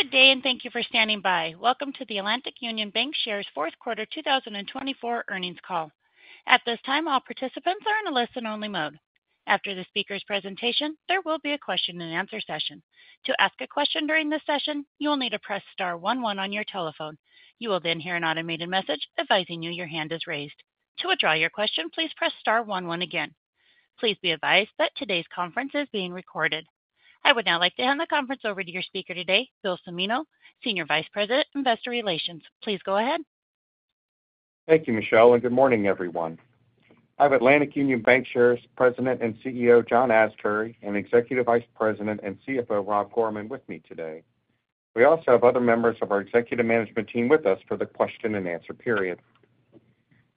Good day, and thank you for standing by. Welcome to the Atlantic Union Bankshares Fourth Quarter 2024 earnings call. At this time, all participants are in a listen-only mode. After the speaker's presentation, there will be a question-and-answer session. To ask a question during this session, you will need to press star one one on your telephone. You will then hear an automated message advising you your hand is raised. To withdraw your question, please press star one one again. Please be advised that today's conference is being recorded. I would now like to hand the conference over to your speaker today, Bill Cimino, Senior Vice President, Investor Relations. Please go ahead. Thank you, Michelle, and good morning, everyone. I have Atlantic Union Bankshares President and CEO John Asbury, and Executive Vice President and CFO Rob Gorman with me today. We also have other members of our executive management team with us for the question-and-answer period.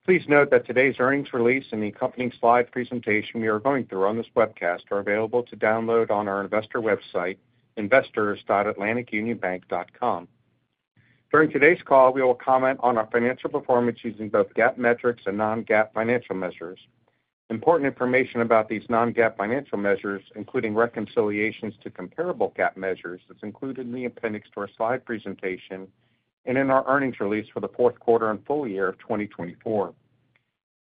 Please note that today's earnings release and the accompanying slide presentation we are going through on this webcast are available to download on our investor website, investors.atlanticunionbank.com. During today's call, we will comment on our financial performance using both GAAP metrics and non-GAAP financial measures. Important information about these non-GAAP financial measures, including reconciliations to comparable GAAP measures, is included in the appendix to our slide presentation and in our earnings release for the fourth quarter and full year of 2024.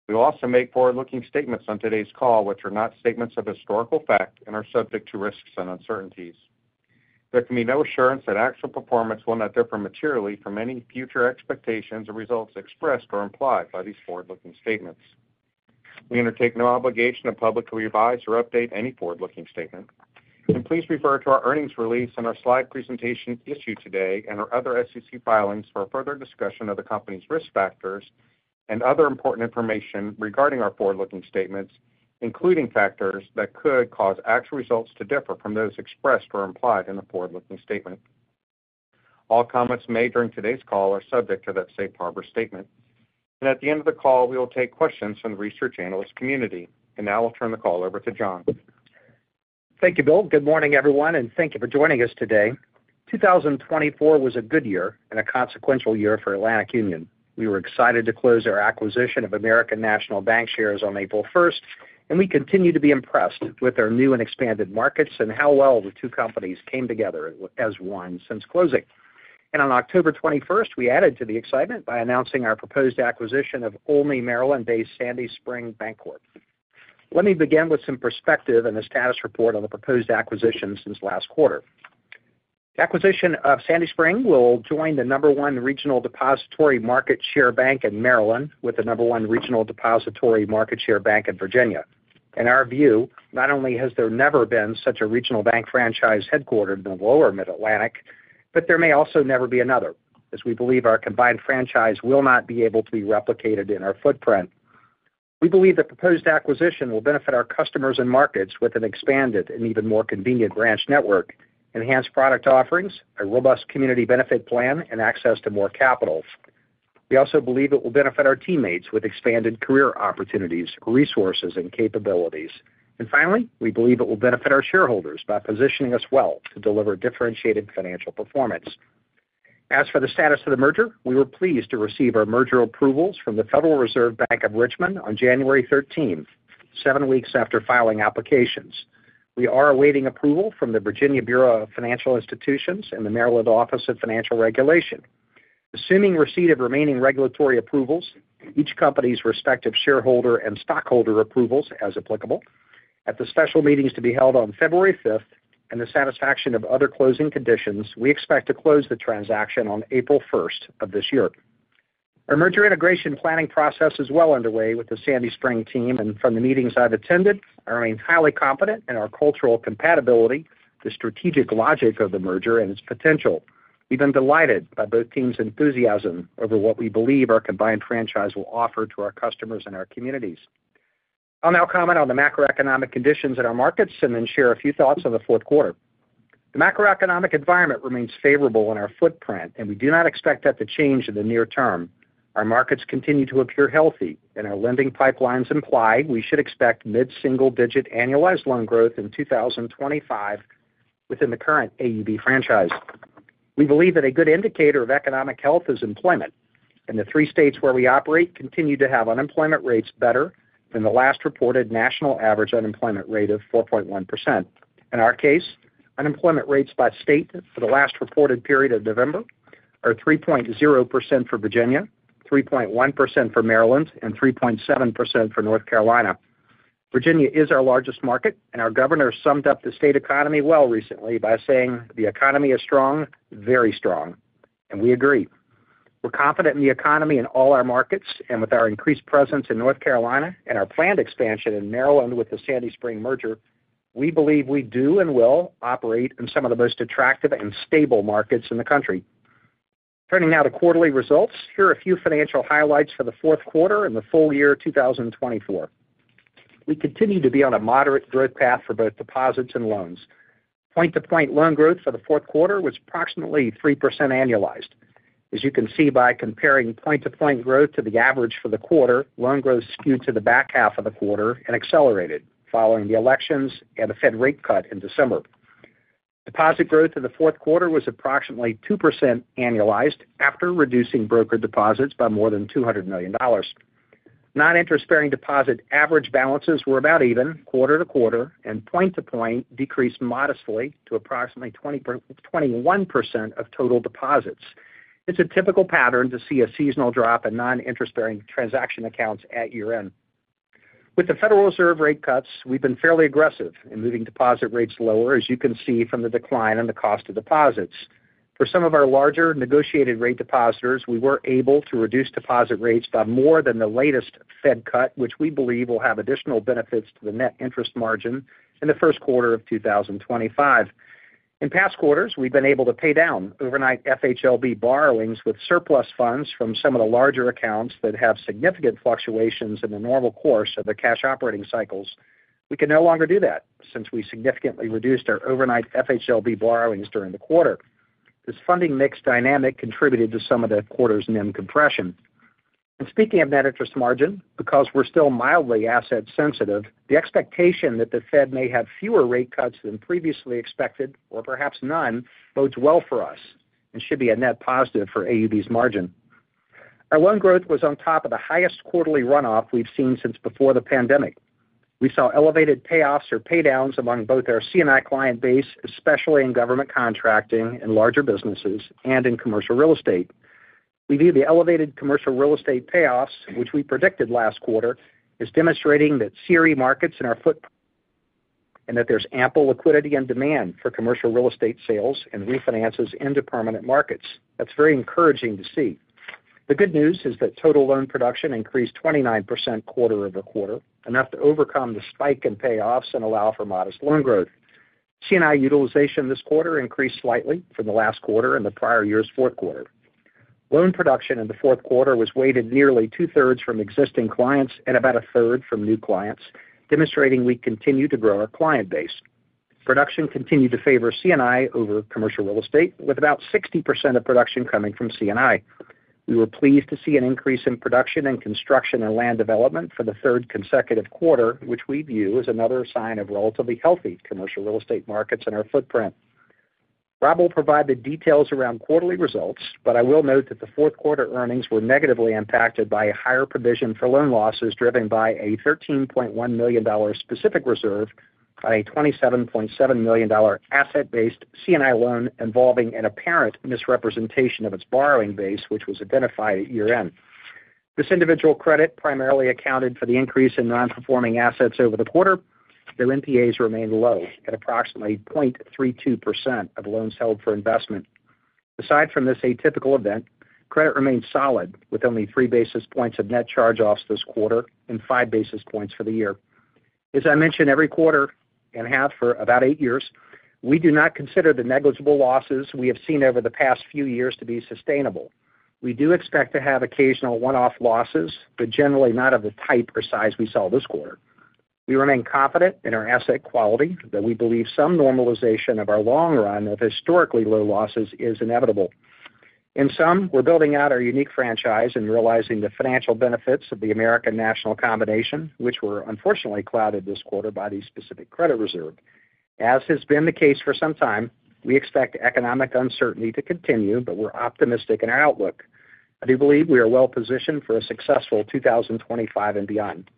We will also make forward-looking statements on today's call, which are not statements of historical fact and are subject to risks and uncertainties. There can be no assurance that actual performance will not differ materially from any future expectations or results expressed or implied by these forward-looking statements. We undertake no obligation to publicly revise or update any forward-looking statement. And please refer to our earnings release and our slide presentation issued today and our other SEC filings for further discussion of the company's risk factors and other important information regarding our forward-looking statements, including factors that could cause actual results to differ from those expressed or implied in the forward-looking statement. All comments made during today's call are subject to that Safe Harbor Statement. And at the end of the call, we will take questions from the research analyst community. And now I'll turn the call over to John. Thank you, Bill. Good morning, everyone, and thank you for joining us today. 2024 was a good year and a consequential year for Atlantic Union. We were excited to close our acquisition of American National Bankshares on April 1st, and we continue to be impressed with our new and expanded markets and how well the two companies came together as one since closing, and on October 21st, we added to the excitement by announcing our proposed acquisition of a wholly Maryland-based Sandy Spring Bancorp. Let me begin with some perspective and the status report on the proposed acquisition since last quarter. The acquisition of Sandy Spring will join the number one regional depository market share bank in Maryland with the number one regional depository market share bank in Virginia. In our view, not only has there never been such a regional bank franchise headquartered in the lower Mid-Atlantic, but there may also never be another, as we believe our combined franchise will not be able to be replicated in our footprint. We believe the proposed acquisition will benefit our customers and markets with an expanded and even more convenient branch network, enhanced product offerings, a robust community benefit plan, and access to more capital. We also believe it will benefit our teammates with expanded career opportunities, resources, and capabilities. And finally, we believe it will benefit our shareholders by positioning us well to deliver differentiated financial performance. As for the status of the merger, we were pleased to receive our merger approvals from the Federal Reserve Bank of Richmond on January 13th, seven weeks after filing applications. We are awaiting approval from the Virginia Bureau of Financial Institutions and the Maryland Office of Financial Regulation. Assuming receipt of remaining regulatory approvals, each company's respective shareholder and stockholder approvals, as applicable, at the special meetings to be held on February 5th, and the satisfaction of other closing conditions, we expect to close the transaction on April 1st of this year. Our merger integration planning process is well underway with the Sandy Spring team, and from the meetings I've attended, I remain highly confident in our cultural compatibility, the strategic logic of the merger, and its potential. We've been delighted by both teams' enthusiasm over what we believe our combined franchise will offer to our customers and our communities. I'll now comment on the macroeconomic conditions in our markets and then share a few thoughts on the fourth quarter. The macroeconomic environment remains favorable in our footprint, and we do not expect that to change in the near term. Our markets continue to appear healthy, and our lending pipelines imply we should expect mid-single-digit annualized loan growth in 2025 within the current AUB franchise. We believe that a good indicator of economic health is employment, and the three states where we operate continue to have unemployment rates better than the last reported national average unemployment rate of 4.1%. In our case, unemployment rates by state for the last reported period of November are 3.0% for Virginia, 3.1% for Maryland, and 3.7% for North Carolina. Virginia is our largest market, and our governor summed up the state economy well recently by saying, "The economy is strong, very strong," and we agree. We're confident in the economy in all our markets, and with our increased presence in North Carolina and our planned expansion in Maryland with the Sandy Spring merger, we believe we do and will operate in some of the most attractive and stable markets in the country. Turning now to quarterly results, here are a few financial highlights for the fourth quarter and the full year 2024. We continue to be on a moderate growth path for both deposits and loans. Point-to-point loan growth for the fourth quarter was approximately 3% annualized. As you can see by comparing point-to-point growth to the average for the quarter, loan growth skewed to the back half of the quarter and accelerated following the elections and the Fed rate cut in December. Deposit growth in the fourth quarter was approximately 2% annualized after reducing broker deposits by more than $200 million. Non-interest-bearing deposit average balances were about even, quarter to quarter, and point-to-point decreased modestly to approximately 21% of total deposits. It's a typical pattern to see a seasonal drop in non-interest-bearing transaction accounts at year-end. With the Federal Reserve rate cuts, we've been fairly aggressive in moving deposit rates lower, as you can see from the decline in the cost of deposits. For some of our larger negotiated rate depositors, we were able to reduce deposit rates by more than the latest Fed cut, which we believe will have additional benefits to the net interest margin in the first quarter of 2025. In past quarters, we've been able to pay down overnight FHLB borrowings with surplus funds from some of the larger accounts that have significant fluctuations in the normal course of their cash operating cycles. We can no longer do that since we significantly reduced our overnight FHLB borrowings during the quarter. This funding mix dynamic contributed to some of the quarter's NIM compression. And speaking of net interest margin, because we're still mildly asset-sensitive, the expectation that the Fed may have fewer rate cuts than previously expected, or perhaps none, bodes well for us and should be a net positive for AUB's margin. Our loan growth was on top of the highest quarterly runoff we've seen since before the pandemic. We saw elevated payoffs or paydowns among both our C&I client base, especially in government contracting and larger businesses, and in commercial real estate. We view the elevated commercial real estate payoffs, which we predicted last quarter, as demonstrating that CRE markets in our footprint and that there's ample liquidity and demand for commercial real estate sales and refinances into permanent markets. That's very encouraging to see. The good news is that total loan production increased 29% quarter over quarter, enough to overcome the spike in payoffs and allow for modest loan growth. C&I utilization this quarter increased slightly from the last quarter and the prior year's fourth quarter. Loan production in the fourth quarter was weighted nearly two-thirds from existing clients and about a third from new clients, demonstrating we continue to grow our client base. Production continued to favor C&I over commercial real estate, with about 60% of production coming from C&I. We were pleased to see an increase in production and construction and land development for the third consecutive quarter, which we view as another sign of relatively healthy commercial real estate markets in our footprint. Rob will provide the details around quarterly results, but I will note that the fourth quarter earnings were negatively impacted by a higher provision for loan losses driven by a $13.1 million specific reserve on a $27.7 million asset-based C&I loan involving an apparent misrepresentation of its borrowing base, which was identified at year-end. This individual credit primarily accounted for the increase in non-performing assets over the quarter. Their NPAs remained low at approximately 0.32% of loans held for investment. Aside from this atypical event, credit remained solid with only three basis points of net charge-off this quarter and five basis points for the year. As I mentioned, every quarter and a half for about eight years, we do not consider the negligible losses we have seen over the past few years to be sustainable. We do expect to have occasional one-off losses, but generally not of the type or size we saw this quarter. We remain confident in our asset quality that we believe some normalization of our long run of historically low losses is inevitable. In sum, we're building out our unique franchise and realizing the financial benefits of the American National combination, which were unfortunately clouded this quarter by the specific credit reserve. As has been the case for some time, we expect economic uncertainty to continue, but we're optimistic in our outlook. I do believe we are well positioned for a successful 2025 and beyond.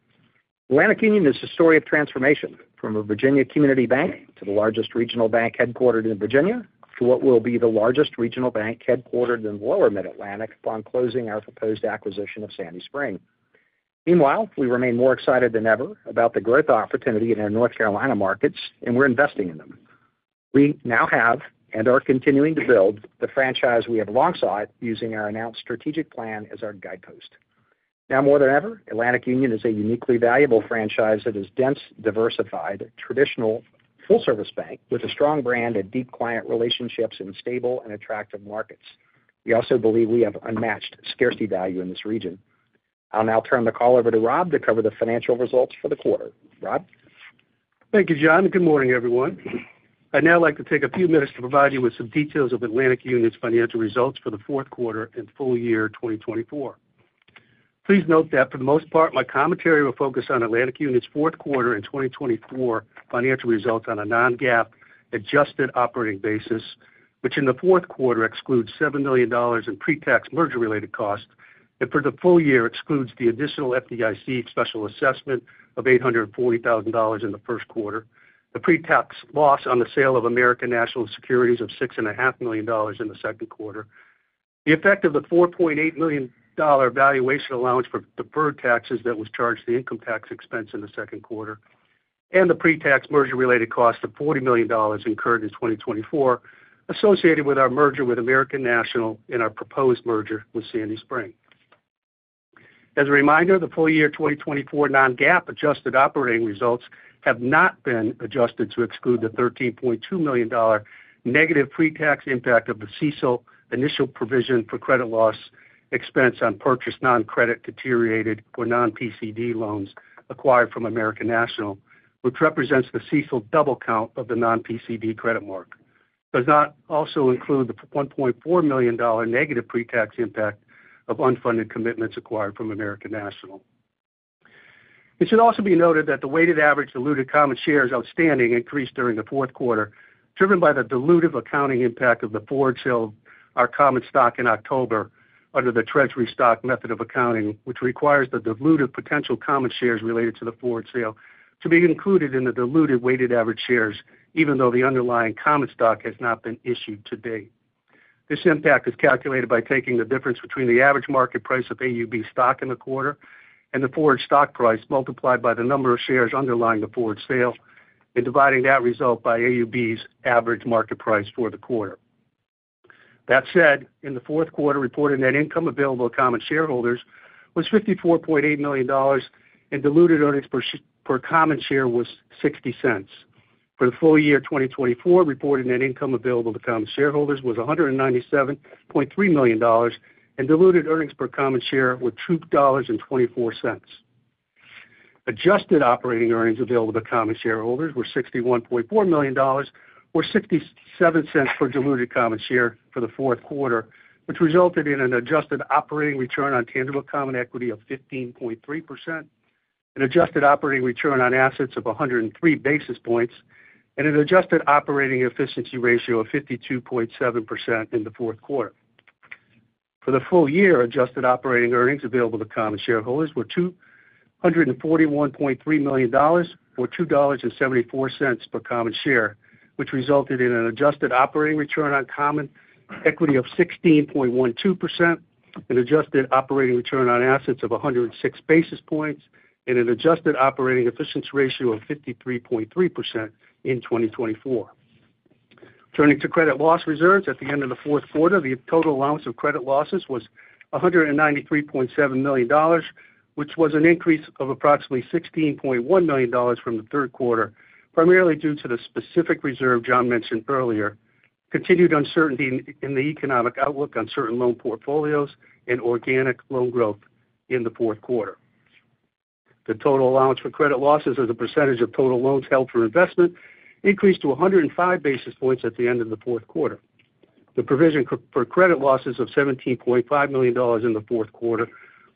Atlantic Union is a story of transformation from a Virginia community bank to the largest regional bank headquartered in Virginia to what will be the largest regional bank headquartered in the lower Mid-Atlantic upon closing our proposed acquisition of Sandy Spring. Meanwhile, we remain more excited than ever about the growth opportunity in our North Carolina markets, and we're investing in them. We now have and are continuing to build the franchise we have long sought using our announced strategic plan as our guidepost. Now more than ever, Atlantic Union is a uniquely valuable franchise that is dense, diversified, traditional, full-service bank with a strong brand and deep client relationships in stable and attractive markets. We also believe we have unmatched scarcity value in this region. I'll now turn the call over to Rob to cover the financial results for the quarter. Rob? Thank you, John. Good morning, everyone. I'd now like to take a few minutes to provide you with some details of Atlantic Union's financial results for the fourth quarter and full year 2024. Please note that for the most part, my commentary will focus on Atlantic Union's fourth quarter and 2024 financial results on a non-GAAP adjusted operating basis, which in the fourth quarter excludes $7 million in pre-tax merger-related costs, and for the full year excludes the additional FDIC special assessment of $840,000 in the first quarter, the pre-tax loss on the sale of American National securities of $6.5 million in the second quarter, the effect of the $4.8 million valuation allowance for deferred taxes that was charged to the income tax expense in the second quarter, and the pre-tax merger-related cost of $40 million incurred in 2024 associated with our merger with American National and our proposed merger with Sandy Spring. As a reminder, the full year 2024 non-GAAP adjusted operating results have not been adjusted to exclude the $13.2 million negative pre-tax impact of the CECL initial provision for credit loss expense on non-purchased credit deteriorated or non-PCD loans acquired from American National, which represents the CECL double count of the non-PCD credit mark. It does not also include the $1.4 million negative pre-tax impact of unfunded commitments acquired from American National. It should also be noted that the weighted average diluted common shares outstanding increased during the fourth quarter, driven by the dilutive accounting impact of the forward sale of our common stock in October under the treasury stock method of accounting, which requires the dilutive potential common shares related to the forward sale to be included in the diluted weighted average shares, even though the underlying common stock has not been issued to date. This impact is calculated by taking the difference between the average market price of AUB stock in the quarter and the forward stock price multiplied by the number of shares underlying the forward sale and dividing that result by AUB's average market price for the quarter. That said, in the fourth quarter, reporting net income available to common shareholders was $54.8 million, and diluted earnings per common share was $0.60. For the full year 2024, reporting net income available to common shareholders was $197.3 million, and diluted earnings per common share were $2.24. Adjusted operating earnings available to common shareholders were $61.4 million, or $0.67 per diluted common share for the fourth quarter, which resulted in an adjusted operating return on tangible common equity of 15.3%, an adjusted operating return on assets of 103 basis points, and an adjusted operating efficiency ratio of 52.7% in the fourth quarter. For the full year, adjusted operating earnings available to common shareholders were $241.3 million, or $2.74 per common share, which resulted in an adjusted operating return on common equity of 16.12%, an adjusted operating return on assets of 106 basis points, and an adjusted operating efficiency ratio of 53.3% in 2024. Turning to credit loss reserves, at the end of the fourth quarter, the total allowance for credit losses was $193.7 million, which was an increase of approximately $16.1 million from the third quarter, primarily due to the specific reserve John mentioned earlier, continued uncertainty in the economic outlook on certain loan portfolios, and organic loan growth in the fourth quarter. The total allowance for credit losses as a percentage of total loans held for investment increased to 105 basis points at the end of the fourth quarter. The provision for credit losses of $17.5 million in the fourth quarter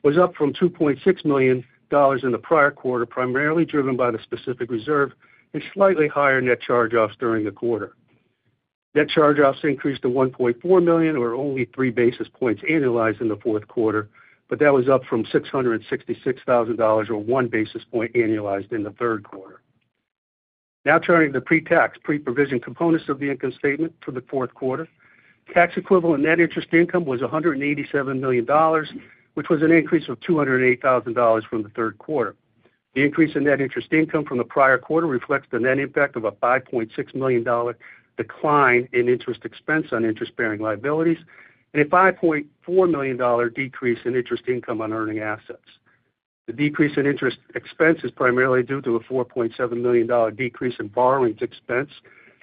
was up from $2.6 million in the prior quarter, primarily driven by the specific reserve and slightly higher net charge-offs during the quarter. Net charge-offs increased to $1.4 million, or only three basis points annualized in the fourth quarter, but that was up from $666,000, or one basis point annualized in the third quarter. Now turning to the pre-tax, pre-provision components of the income statement for the fourth quarter, tax equivalent net interest income was $187 million, which was an increase of $208,000 from the third quarter. The increase in net interest income from the prior quarter reflects the net impact of a $5.6 million decline in interest expense on interest-bearing liabilities and a $5.4 million decrease in interest income on earning assets. The decrease in interest expense is primarily due to a $4.7 million decrease in borrowings expense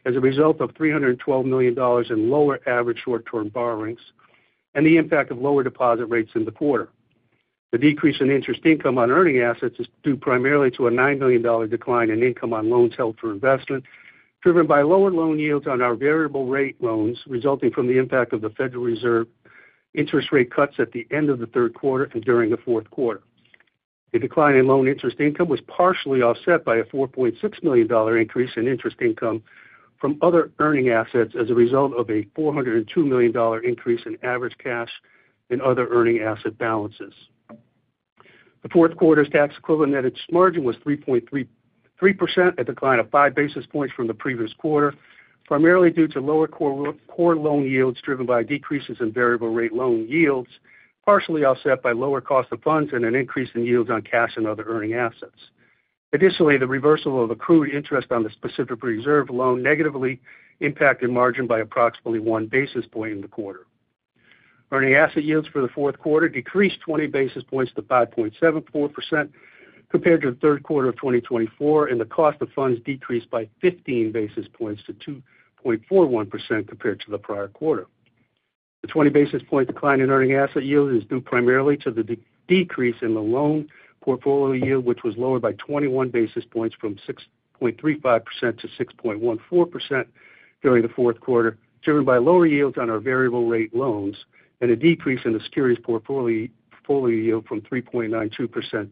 as a result of $312 million in lower average short-term borrowings and the impact of lower deposit rates in the quarter. The decrease in interest income on earning assets is due primarily to a $9 million decline in income on loans held for investment, driven by lower loan yields on our variable-rate loans resulting from the impact of the Federal Reserve interest rate cuts at the end of the third quarter and during the fourth quarter. The decline in loan interest income was partially offset by a $4.6 million increase in interest income from other earning assets as a result of a $402 million increase in average cash and other earning asset balances. The fourth quarter's tax equivalent net interest margin was 3.3%, a decline of five basis points from the previous quarter, primarily due to lower core loan yields driven by decreases in variable-rate loan yields, partially offset by lower cost of funds and an increase in yields on cash and other earning assets. Additionally, the reversal of accrued interest on the specific reserve loan negatively impacted margin by approximately one basis point in the quarter. Earning asset yields for the fourth quarter decreased 20 basis points to 5.74% compared to the third quarter of 2024, and the cost of funds decreased by 15 basis points to 2.41% compared to the prior quarter. The 20 basis point decline in earning asset yield is due primarily to the decrease in the loan portfolio yield, which was lower by 21 basis points from 6.35%-6.14% during the fourth quarter, driven by lower yields on our variable-rate loans and a decrease in the securities portfolio yield from 3.92%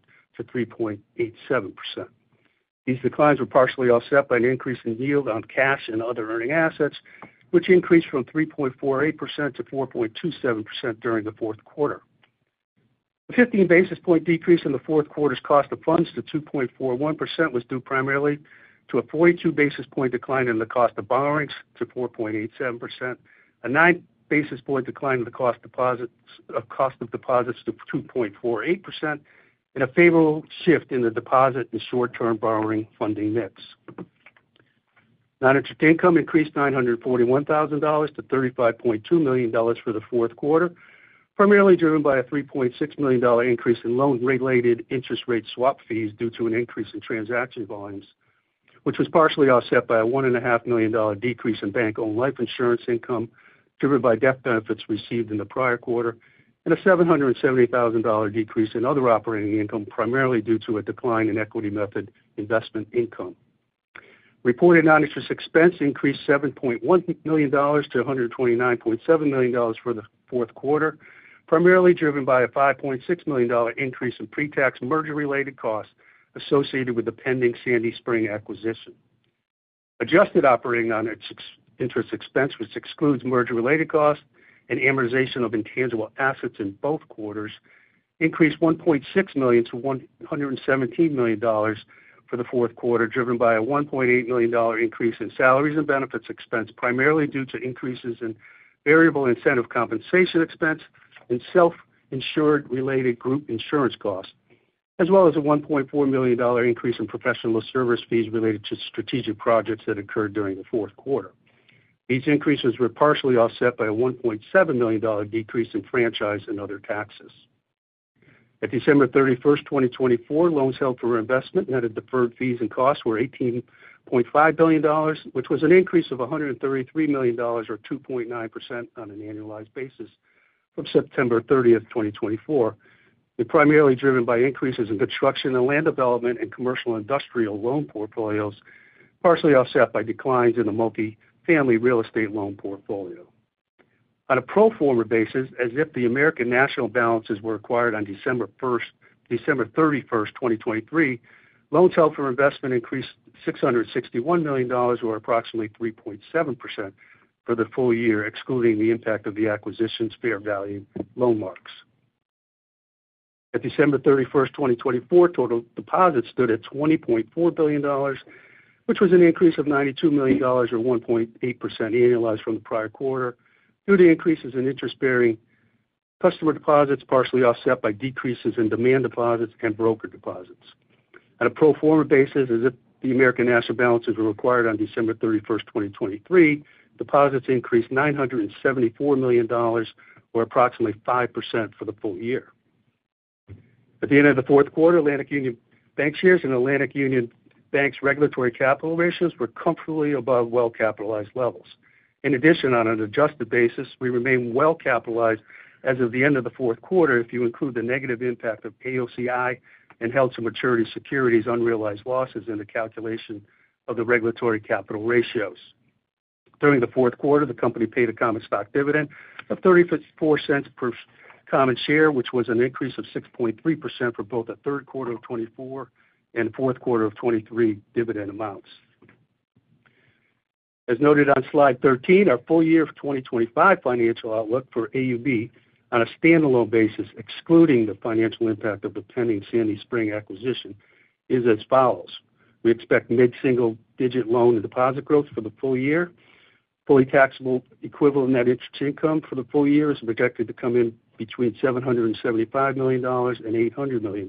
-3.87%. These declines were partially offset by an increase in yield on cash and other earning assets, which increased from 3.48% -4.27% during the fourth quarter. The 15 basis point decrease in the fourth quarter's cost of funds to 2.41% was due primarily to a 42 basis point decline in the cost of borrowings to 4.87%, a 9 basis point decline in the cost of deposits to 2.48%, and a favorable shift in the deposit and short-term borrowing funding mix. Non-interest income increased $941,000-$35.2 million for the fourth quarter, primarily driven by a $3.6 million increase in loan-related interest rate swap fees due to an increase in transaction volumes, which was partially offset by a $1.5 million decrease in bank-owned life insurance income driven by death benefits received in the prior quarter, and a $770,000 decrease in other operating income, primarily due to a decline in equity method investment income. Reported non-interest expense increased $7.1 million-$129.7 million for the fourth quarter, primarily driven by a $5.6 million increase in pre-tax merger-related costs associated with the pending Sandy Spring acquisition. Adjusted operating non-interest expense, which excludes merger-related costs and amortization of intangible assets in both quarters, increased $1.6 million-$117 million for the fourth quarter, driven by a $1.8 million increase in salaries and benefits expense, primarily due to increases in variable incentive compensation expense and self-insured-related group insurance costs, as well as a $1.4 million increase in professional service fees related to strategic projects that occurred during the fourth quarter. These increases were partially offset by a $1.7 million decrease in franchise and other taxes. At December 31st, 2024, loans held for investment and deferred fees and costs were $18.5 billion, which was an increase of $133 million, or 2.9% on an annualized basis, from September 30th, 2024, and primarily driven by increases in construction and land development and commercial and industrial loan portfolios, partially offset by declines in the multifamily real estate loan portfolio. On a pro forma basis, as if the American National balances were acquired on December 31st, 2023, loans held for investment increased $661 million, or approximately 3.7% for the full year, excluding the impact of the acquisition's fair value loan marks. At December 31st, 2024, total deposits stood at $20.4 billion, which was an increase of $92 million, or 1.8% annualized from the prior quarter, due to increases in interest-bearing customer deposits, partially offset by decreases in demand deposits and broker deposits. On a pro forma basis, as if the American National balances were acquired on December 31st, 2023, deposits increased $974 million, or approximately 5% for the full year. At the end of the fourth quarter, Atlantic Union Bankshares and Atlantic Union Bank's regulatory capital ratios were comfortably above well-capitalized levels. In addition, on an adjusted basis, we remain well-capitalized as of the end of the fourth quarter if you include the negative impact of AOCI and held-to-maturity securities' unrealized losses in the calculation of the regulatory capital ratios. During the fourth quarter, the company paid a common stock dividend of $0.34 per common share, which was an increase of 6.3% for both the third quarter of 2024 and the fourth quarter of 2023 dividend amounts. As noted on slide 13, our full year of 2025 financial outlook for AUB on a standalone basis, excluding the financial impact of the pending Sandy Spring acquisition, is as follows. We expect mid-single-digit loan and deposit growth for the full year. Fully taxable equivalent net interest income for the full year is projected to come in between $775 million and $800 million.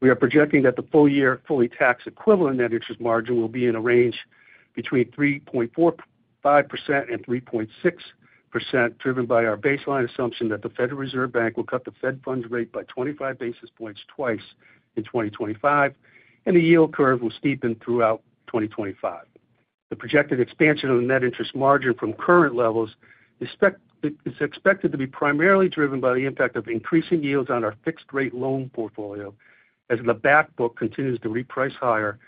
We are projecting that the full year fully tax equivalent net interest margin will be in a range between 3.45% and 3.6%, driven by our baseline assumption that the Federal Reserve Bank will cut the Fed funds rate by 25 basis points twice in 2025, and the yield curve will steepen throughout 2025. The projected expansion of the net interest margin from current levels is expected to be primarily driven by the impact of increasing yields on our fixed-rate loan portfolio as the backbook continues to reprice higher,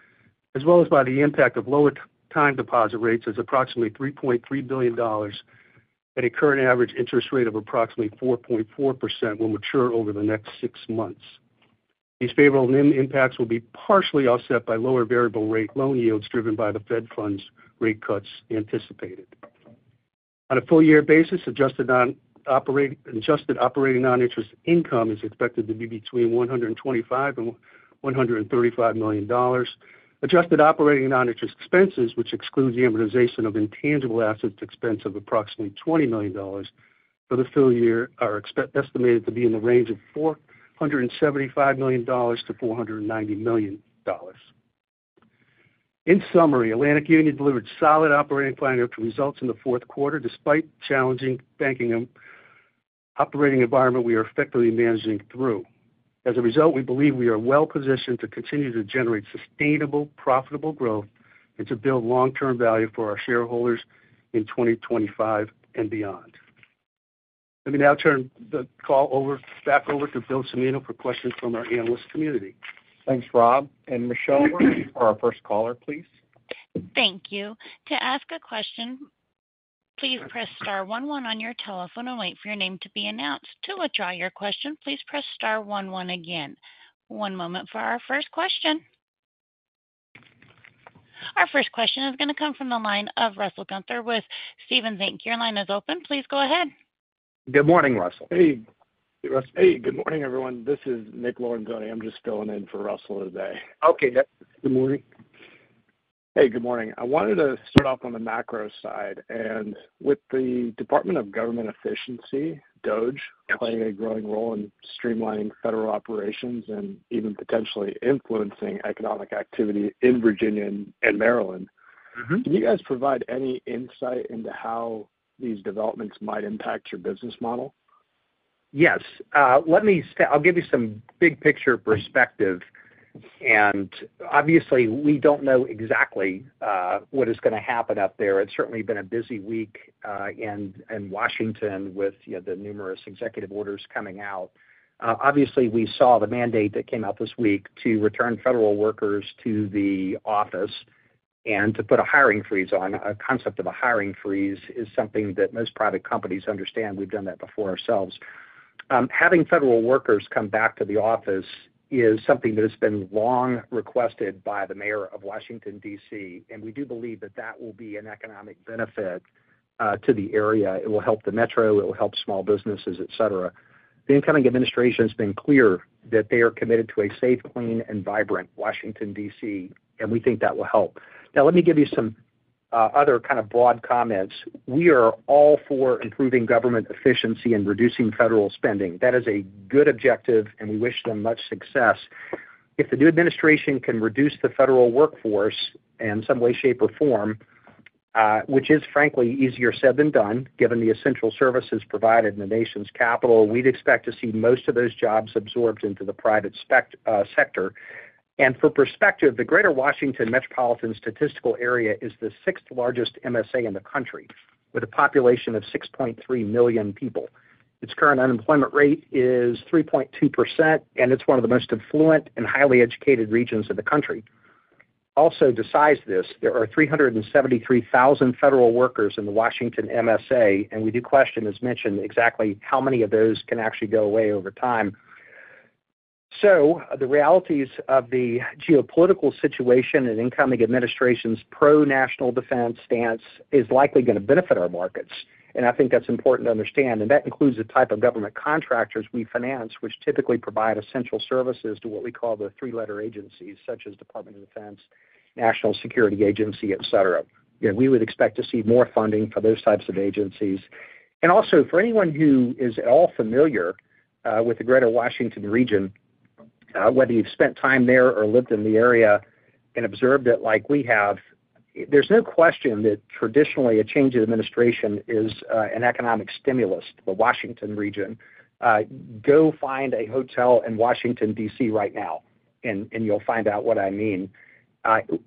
as well as by the impact of lower time deposit rates as approximately $3.3 billion at a current average interest rate of approximately 4.4% will mature over the next six months. These favorable impacts will be partially offset by lower variable-rate loan yields driven by the Fed funds rate cuts anticipated. On a full year basis, adjusted operating non-interest income is expected to be between $125 and $135 million. Adjusted operating non-interest expenses, which excludes the amortization of intangible assets expense of approximately $20 million, for the full year are estimated to be in the range of $475 million-$490 million. In summary, Atlantic Union delivered solid operating financial results in the fourth quarter, despite challenging banking operating environment we are effectively managing through. As a result, we believe we are well-positioned to continue to generate sustainable, profitable growth and to build long-term value for our shareholders in 2025 and beyond. Let me now turn the call back over to Bill Cimino for questions from our analyst community. Thanks, Rob. And Michelle, for our first caller, please. Thank you. To ask a question, please press star one one on your telephone and wait for your name to be announced. To withdraw your question, please press star one one again. One moment for our first question. Our first question is going to come from the line of Russell Gunther with Stephens. Thank you. Your line is open. Please go ahead. Good morning, Russell. Hey. Hey, Russell. Hey, good morning, everyone. This is Nick Lorenzino. I'm just filling in for Russell today. Okay. Good morning. Hey, good morning. I wanted to start off on the macro side, and with the Department of Government Efficiency, DOGE playing a growing role in streamlining federal operations and even potentially influencing economic activity in Virginia and Maryland, can you guys provide any insight into how these developments might impact your business model? Yes. I'll give you some big-picture perspective, and obviously, we don't know exactly what is going to happen up there. It's certainly been a busy week in Washington with the numerous executive orders coming out. Obviously, we saw the mandate that came out this week to return federal workers to the office and to put a hiring freeze on. A concept of a hiring freeze is something that most private companies understand. We've done that before ourselves. Having federal workers come back to the office is something that has been long requested by the mayor of Washington, D.C., and we do believe that that will be an economic benefit to the area. It will help the metro. It will help small businesses, etc. The incoming administration has been clear that they are committed to a safe, clean, and vibrant Washington, D.C., and we think that will help. Now, let me give you some other kind of broad comments. We are all for improving government efficiency and reducing federal spending. That is a good objective, and we wish them much success. If the new administration can reduce the federal workforce in some way, shape, or form, which is, frankly, easier said than done, given the essential services provided in the nation's capital, we'd expect to see most of those jobs absorbed into the private sector. And for perspective, the Greater Washington Metropolitan Statistical Area is the sixth largest MSA in the country, with a population of 6.3 million people. Its current unemployment rate is 3.2%, and it's one of the most affluent and highly educated regions of the country. Also, to size this, there are 373,000 federal workers in the Washington MSA, and we do question, as mentioned, exactly how many of those can actually go away over time. So the realities of the geopolitical situation and incoming administration's pro-national defense stance is likely going to benefit our markets. I think that's important to understand. That includes the type of government contractors we finance, which typically provide essential services to what we call the three-letter agencies, such as Department of Defense, National Security Agency, etc. We would expect to see more funding for those types of agencies. Also, for anyone who is at all familiar with the Greater Washington region, whether you've spent time there or lived in the area and observed it like we have, there's no question that traditionally a change in administration is an economic stimulus for the Washington region. Go find a hotel in Washington, D.C., right now, and you'll find out what I mean.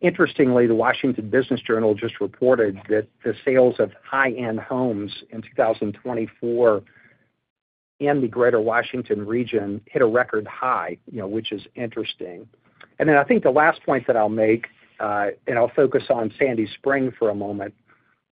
Interestingly, The Washington Business Journal just reported that the sales of high-end homes in 2024 in the Greater Washington region hit a record high, which is interesting. Then I think the last point that I'll make, and I'll focus on Sandy Spring for a moment,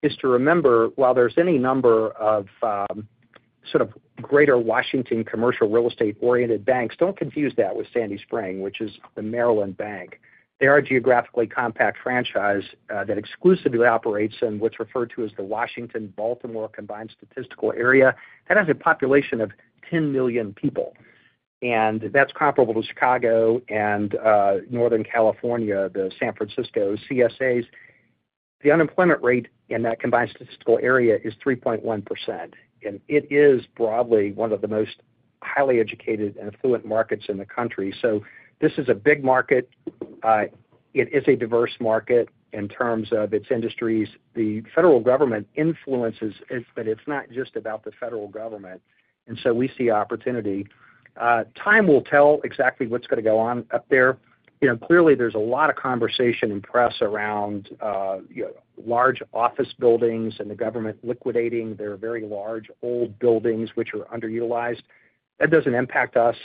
is to remember, while there's any number of sort of Greater Washington commercial real estate-oriented banks, don't confuse that with Sandy Spring, which is the Maryland Bank. They are a geographically compact franchise that exclusively operates in what's referred to as the Washington-Baltimore Combined Statistical Area. That has a population of 10 million people. That's comparable to Chicago and Northern California, the San Francisco CSAs. The unemployment rate in that combined statistical area is 3.1%. It is broadly one of the most highly educated and affluent markets in the country. This is a big market. It is a diverse market in terms of its industries. The federal government influences, but it's not just about the federal government. We see opportunity. Time will tell exactly what's going to go on up there. Clearly, there's a lot of conversation in the press around large office buildings and the government liquidating their very large old buildings, which are underutilized. That doesn't impact us.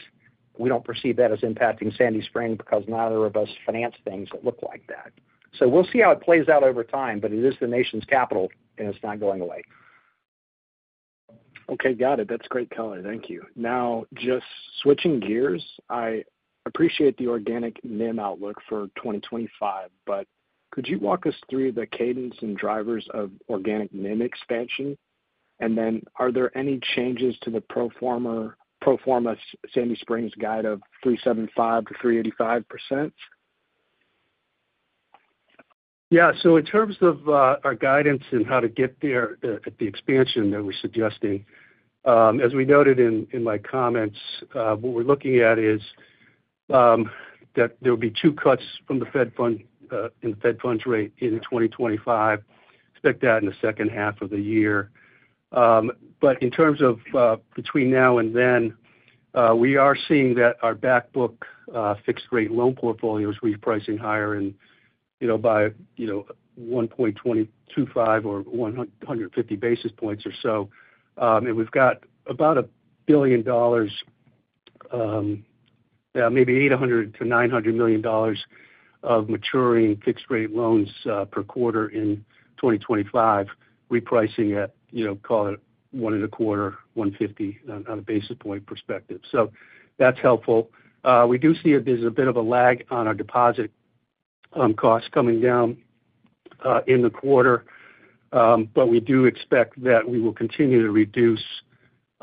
We don't perceive that as impacting Sandy Spring because neither of us finance things that look like that. So we'll see how it plays out over time, but it is the nation's capital, and it's not going away. Okay. Got it. That's great color. Thank you. Now, just switching gears, I appreciate the organic NIM outlook for 2025, but could you walk us through the cadence and drivers of organic NIM expansion? And then are there any changes to the pro forma Sandy Spring's guide of 3.75%-3.85%? Yeah. In terms of our guidance and how to get there at the expansion that we're suggesting, as we noted in my comments, what we're looking at is that there will be two cuts from the Fed funds rate in 2025. Expect that in the second half of the year. But in terms of between now and then, we are seeing that our backbook fixed-rate loan portfolios are repricing higher by 1.25 or 150 basis points or so. And we've got about $1 billion, maybe $800 million-$900 million of maturing fixed-rate loans per quarter in 2025, repricing at, call it, 1.25, 150 on a basis point perspective. That's helpful. We do see there's a bit of a lag on our deposit costs coming down in the quarter, but we do expect that we will continue to reduce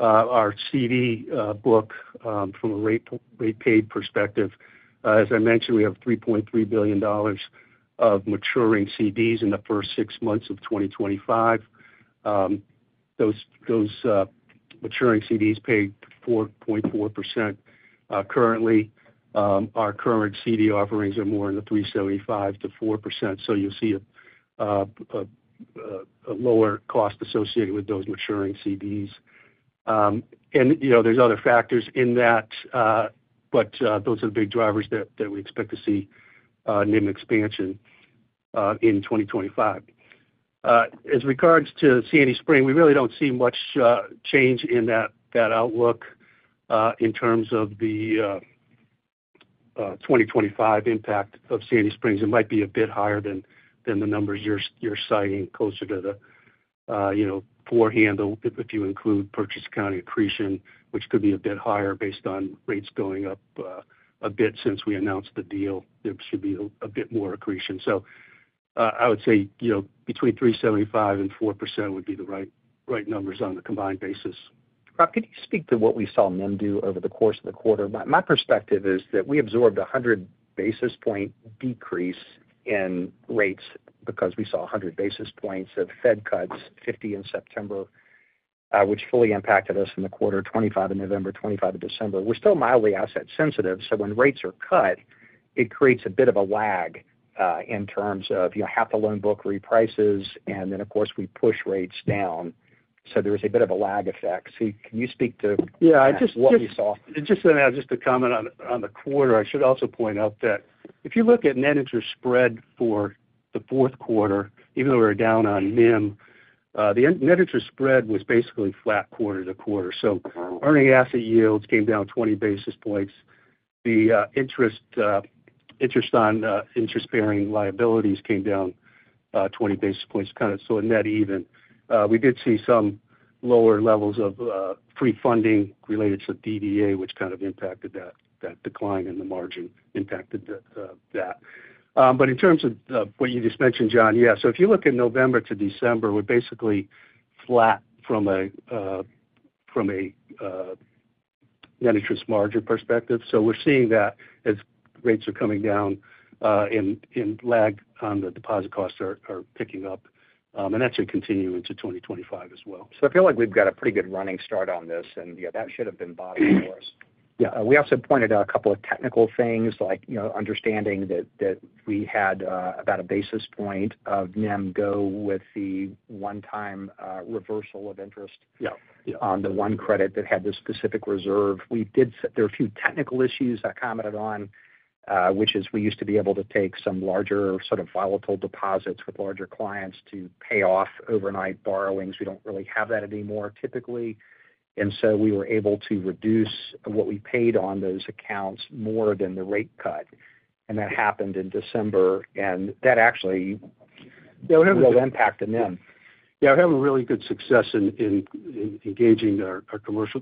our CD book from a rate-paid perspective. As I mentioned, we have $3.3 billion of maturing CDs in the first six months of 2025. Those maturing CDs pay 4.4% currently. Our current CD offerings are more in the 3.75%-4%. So you'll see a lower cost associated with those maturing CDs. And there's other factors in that, but those are the big drivers that we expect to see NIM expansion in 2025. As regards to Sandy Spring, we really don't see much change in that outlook in terms of the 2025 impact of Sandy Spring's. It might be a bit higher than the numbers you're citing, closer to the 4% end if you include purchase accounting accretion, which could be a bit higher based on rates going up a bit since we announced the deal. There should be a bit more accretion. So I would say between 3.75% and 4% would be the right numbers on the combined basis. Rob, could you speak to what we saw NIM do over the course of the quarter? My perspective is that we absorbed a 100 basis points decrease in rates because we saw 100 basis points of Fed cuts, 50 in September, which fully impacted us in the quarter, 25 in November, 25 in December. We're still mildly asset-sensitive. So when rates are cut, it creates a bit of a lag in terms of half the loan book reprices. And then, of course, we push rates down. There was a bit of a lag effect. Can you speak to what we saw? Yeah. Just a comment on the quarter. I should also point out that if you look at net interest spread for the fourth quarter, even though we're down on NIM, the net interest spread was basically flat quarter to quarter. Earning asset yields came down 20 basis points. The interest on interest-bearing liabilities came down 20 basis points, so a net even. We did see some lower levels of free funding related to DDA, which kind of impacted that decline in the margin, impacted that. But in terms of what you just mentioned, John, yeah. If you look at November to December, we're basically flat from a net interest margin perspective. We're seeing that as rates are coming down and lag on the deposit costs are picking up. And that should continue into 2025 as well. So I feel like we've got a pretty good running start on this. And that should have been bottom for us. Yeah. We also pointed out a couple of technical things, like understanding that we had about a basis point of NIM go with the one-time reversal of interest on the one credit that had this specific reserve. There are a few technical issues I commented on, which is we used to be able to take some larger sort of volatile deposits with larger clients to pay off overnight borrowings. We don't really have that anymore typically. And so we were able to reduce what we paid on those accounts more than the rate cut. And that happened in December. And that actually had a real impact on NIM. Yeah. We have a really good success in engaging our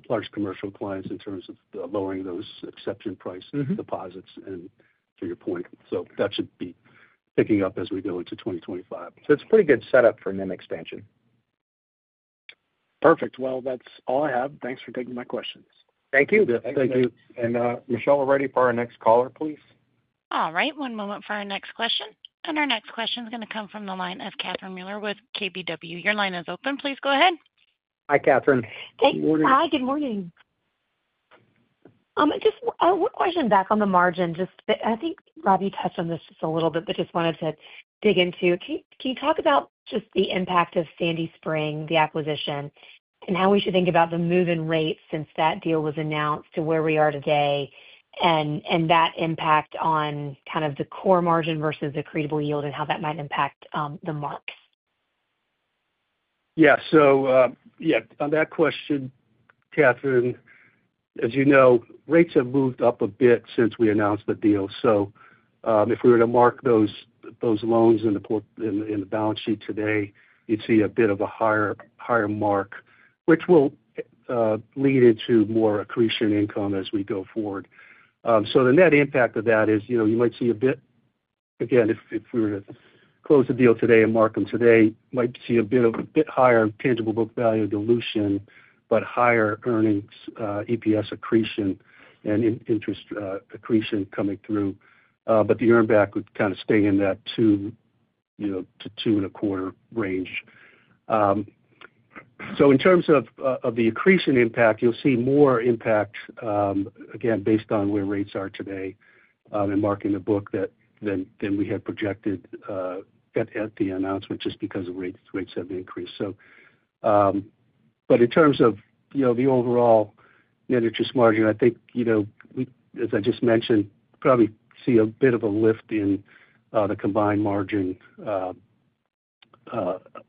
large commercial clients in terms of lowering those exception price deposits and to your point. So that should be picking up as we go into 2025. So it's a pretty good setup for NIM expansion. Perfect. Well, that's all I have. Thanks for taking my questions. Thank you. Thank you. And Michelle, we're ready for our next caller, please. All right. One moment for our next question. And our next question is going to come from the line of Catherine Mealor with KBW. Your line is open. Please go ahead. Hi, Catherine. Hey. Hi. Good morning. Just one question back on the margin. I think, Rob, you touched on this just a little bit, but just wanted to dig into. Can you talk about just the impact of Sandy Spring, the acquisition, and how we should think about the move in rates since that deal was announced to where we are today and that impact on kind of the core margin versus the accretable yield and how that might impact the marks? Yeah. So yeah, on that question, Catherine, as you know, rates have moved up a bit since we announced the deal. So if we were to mark those loans in the balance sheet today, you'd see a bit of a higher mark, which will lead into more accretion income as we go forward. So the net impact of that is you might see a bit again, if we were to close the deal today and mark them today, you might see a bit higher tangible book value dilution, but higher earnings EPS accretion and interest accretion coming through. But the earnback would kind of stay in that two to two and a quarter range. So in terms of the accretion impact, you'll see more impact, again, based on where rates are today and marking the book than we had projected at the announcement just because of rates having increased. But in terms of the overall net interest margin, I think, as I just mentioned, probably see a bit of a lift in the combined margin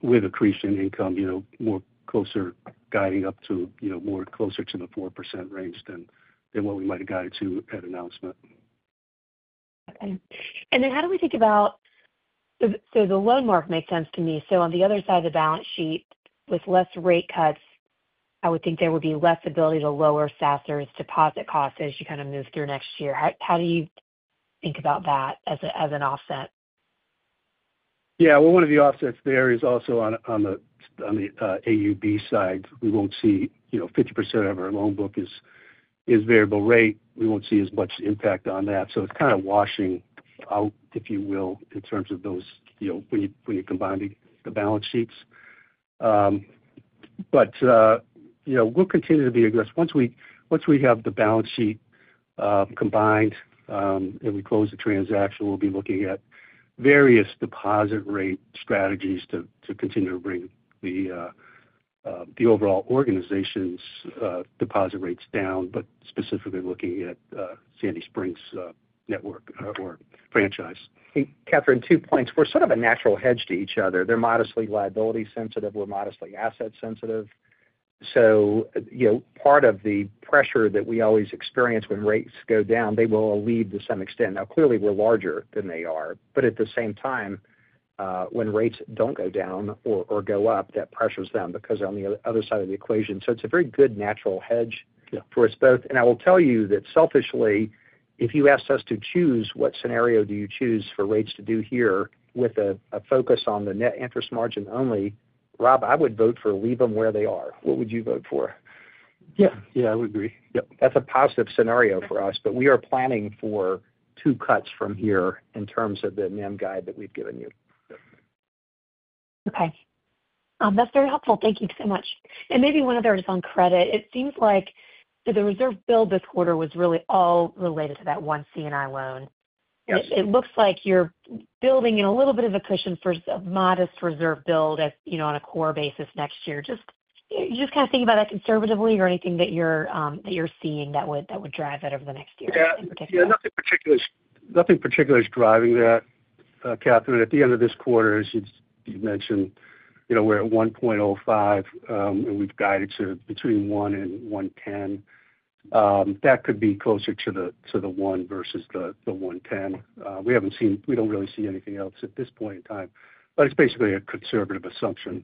with accretion income, more closer guiding up to more closer to the 4% range than what we might have guided to at announcement. Okay. And then how do we think about [it]? So the loan mark makes sense to me. So on the other side of the balance sheet, with less rate cuts, I would think there would be less ability to lower Sandy Spring's deposit costs as you kind of move through next year. How do you think about that as an offset? Yeah. Well, one of the offsets there is also on the AUB side. We won't see 50% of our loan book is variable rate. We won't see as much impact on that. So it's kind of washing out, if you will, in terms of those when you're combining the balance sheets. But we'll continue to be aggressive. Once we have the balance sheet combined and we close the transaction, we'll be looking at various deposit rate strategies to continue to bring the overall organization's deposit rates down, but specifically looking at Sandy Spring's network or franchise. Catherine, two points. We're sort of a natural hedge to each other. They're modestly liability sensitive. We're modestly asset sensitive. So part of the pressure that we always experience when rates go down, they will alleviate to some extent. Now, clearly, we're larger than they are. But at the same time, when rates don't go down or go up, that pressures them because on the other side of the equation. So it's a very good natural hedge for us both. And I will tell you that selfishly, if you asked us to choose what scenario do you choose for rates to do here with a focus on the net interest margin only, Rob, I would vote for leave them where they are. What would you vote for? Yeah. Yeah. I would agree. Yep. That's a positive scenario for us. But we are planning for two cuts from here in terms of the NIM guide that we've given you. Okay. That's very helpful. Thank you so much. And maybe one other is on credit. It seems like the reserve build this quarter was really all related to that one C&I loan. It looks like you're building in a little bit of a cushion for a modest reserve build on a core basis next year. Just kind of think about that conservatively or anything that you're seeing that would drive that over the next year in particular. Yeah. Nothing particularly is driving that, Catherine. At the end of this quarter, as you mentioned, we're at 1.05, and we've guided to between 1 and 1.10. That could be closer to the 1 versus the 1.10. We don't really see anything else at this point in time. But it's basically a conservative assumption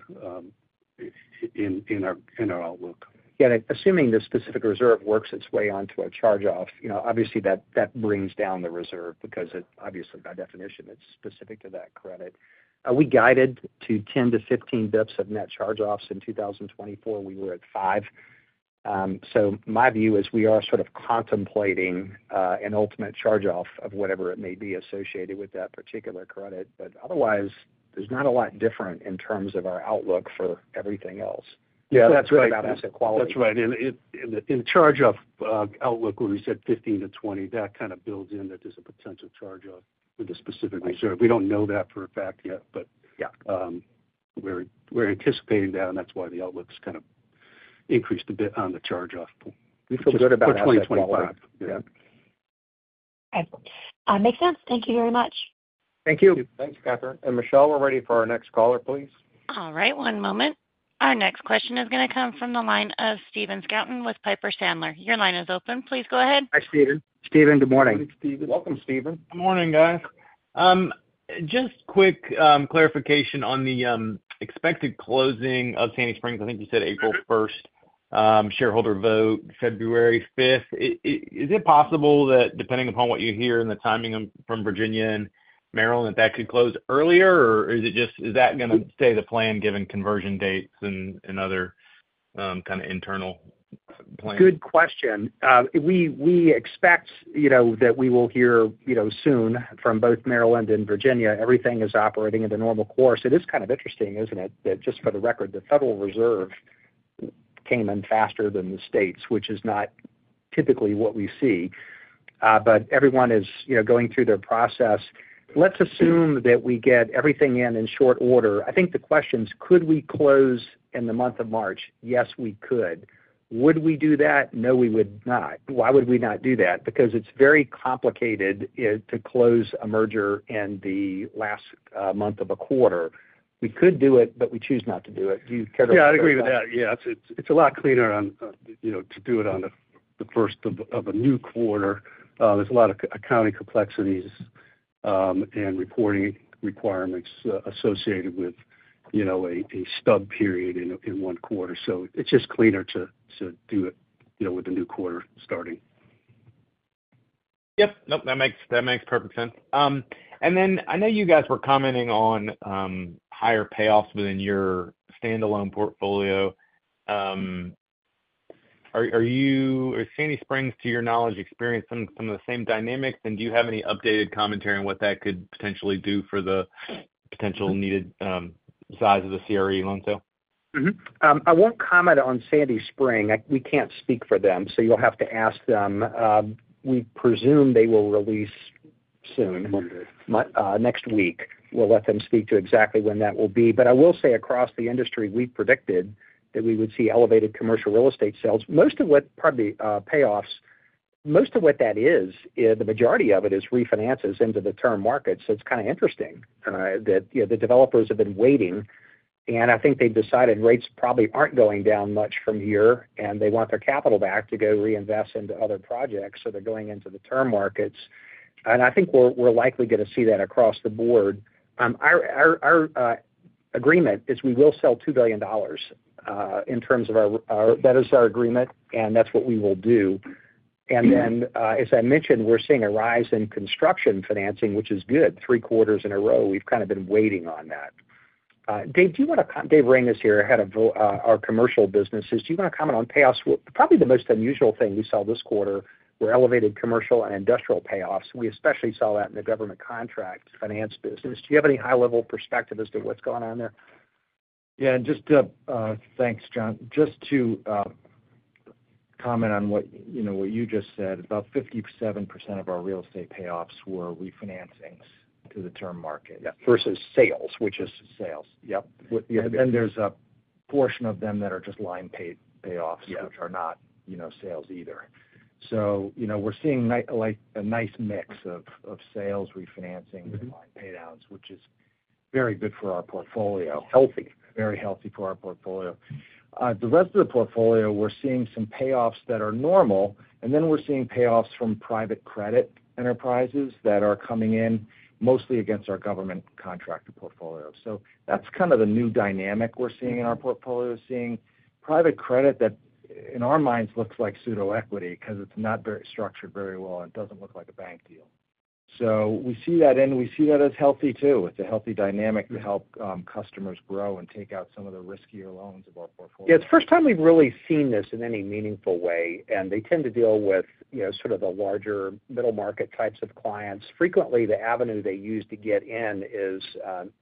in our outlook. Yeah. Assuming the specific reserve works its way onto a charge-off, obviously, that brings down the reserve because obviously, by definition, it's specific to that credit. We guided to 10 to 15 basis points of net charge-offs in 2024. We were at 5. So my view is we are sort of contemplating an ultimate charge-off of whatever it may be associated with that particular credit. But otherwise, there's not a lot different in terms of our outlook for everything else. So that's really about asset quality. That's right. And the charge-off outlook, when we said 15 to 20, that kind of builds in that there's a potential charge-off with the specific reserve. We don't know that for a fact yet, but we're anticipating that. And that's why the outlook's kind of increased a bit on the charge-off. We feel good about our outlook for 2025. Yeah. Excellent. Makes sense. Thank you very much. Thank you. Thanks, Catherine. And Michelle, we're ready for our next caller, please. All right. One moment. Our next question is going to come from the line of Stephen Scouten with Piper Sandler. Your line is open. Please go ahead. Hi, Steven. Steven, good morning. Welcome, Steven. Good morning, guys. Just quick clarification on the expected closing of Sandy Spring. I think you said April 1st, shareholder vote, February 5th. Is it possible that, depending upon what you hear and the timing from Virginia and Maryland, that that could close earlier? Or is that going to stay the plan given conversion dates and other kind of internal plans? Good question. We expect that we will hear soon from both Maryland and Virginia. Everything is operating at a normal course. It is kind of interesting, isn't it? That just for the record, the Federal Reserve came in faster than the states, which is not typically what we see. But everyone is going through their process. Let's assume that we get everything in short order. I think the question is, could we close in the month of March? Yes, we could. Would we do that? No, we would not. Why would we not do that? Because it's very complicated to close a merger in the last month of a quarter. We could do it, but we choose not to do it. Do you care to? Yeah. I agree with that. Yeah. It's a lot cleaner to do it on the first of a new quarter. There's a lot of accounting complexities and reporting requirements associated with a stub period in one quarter. So it's just cleaner to do it with a new quarter starting. Yep. Nope. That makes perfect sense. And then I know you guys were commenting on higher payoffs within your standalone portfolio. Are Sandy Spring, to your knowledge, experiencing some of the same dynamics? And do you have any updated commentary on what that could potentially do for the potential needed size of the CRE loan sale? I won't comment on Sandy Spring. We can't speak for them. So you'll have to ask them. We presume they will release soon. Next week. We'll let them speak to exactly when that will be. But I will say across the industry, we predicted that we would see elevated commercial real estate sales. Most of what probably payoffs, most of what that is, the majority of it is refinances into the term market. So it's kind of interesting that the developers have been waiting. And I think they've decided rates probably aren't going down much from here. And they want their capital back to go reinvest into other projects. So they're going into the term markets. And I think we're likely going to see that across the board. Our agreement is we will sell $2 billion in terms of our that is our agreement. And that's what we will do. And then, as I mentioned, we're seeing a rise in construction financing, which is good. Three quarters in a row, we've kind of been waiting on that. Dave Ring is here, head of our commercial businesses. Do you want to comment on payoffs? Probably the most unusual thing we saw this quarter were elevated commercial and industrial payoffs. We especially saw that in the government contract finance business. Do you have any high-level perspective as to what's going on there? Yeah. And just thanks, John. Just to comment on what you just said, about 57% of our real estate payoffs were refinancings to the term market versus sales, which is sales. Yep, and then there's a portion of them that are just line payoffs, which are not sales either. So we're seeing a nice mix of sales refinancing with line payoffs, which is very good for our portfolio. Healthy. Very healthy for our portfolio. The rest of the portfolio, we're seeing some payoffs that are normal, and then we're seeing payoffs from private credit enterprises that are coming in mostly against our government contract portfolio. So that's kind of the new dynamic we're seeing in our portfolio, seeing private credit that in our minds looks like pseudo equity because it's not structured very well and doesn't look like a bank deal. So we see that, and we see that as healthy too. It's a healthy dynamic to help customers grow and take out some of the riskier loans of our portfolio. Yeah. It's the first time we've really seen this in any meaningful way, and they tend to deal with sort of the larger middle market types of clients. Frequently, the avenue they use to get in is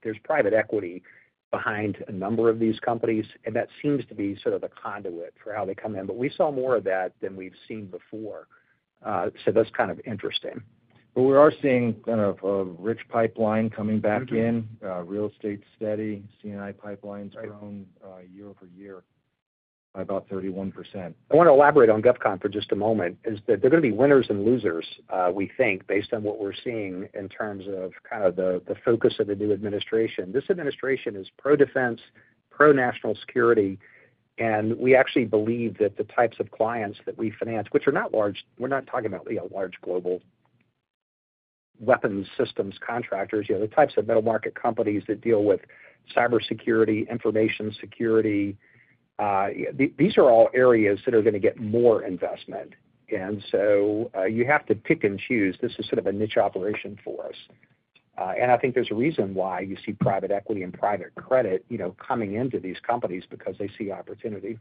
there's private equity behind a number of these companies, and that seems to be sort of the conduit for how they come in, but we saw more of that than we've seen before, so that's kind of interesting, but we are seeing kind of a rich pipeline coming back in. Real estate's steady. C&I pipeline's grown year over year by about 31%. I want to elaborate on GovCon for just a moment. Is that they're going to be winners and losers, we think, based on what we're seeing in terms of kind of the focus of the new administration. This administration is pro-defense, pro-national security. And we actually believe that the types of clients that we finance, which are not large. We're not talking about large global weapons systems contractors. The types of middle market companies that deal with cybersecurity, information security. These are all areas that are going to get more investment. And so you have to pick and choose. This is sort of a niche operation for us. And I think there's a reason why you see private equity and private credit coming into these companies because they see opportunity.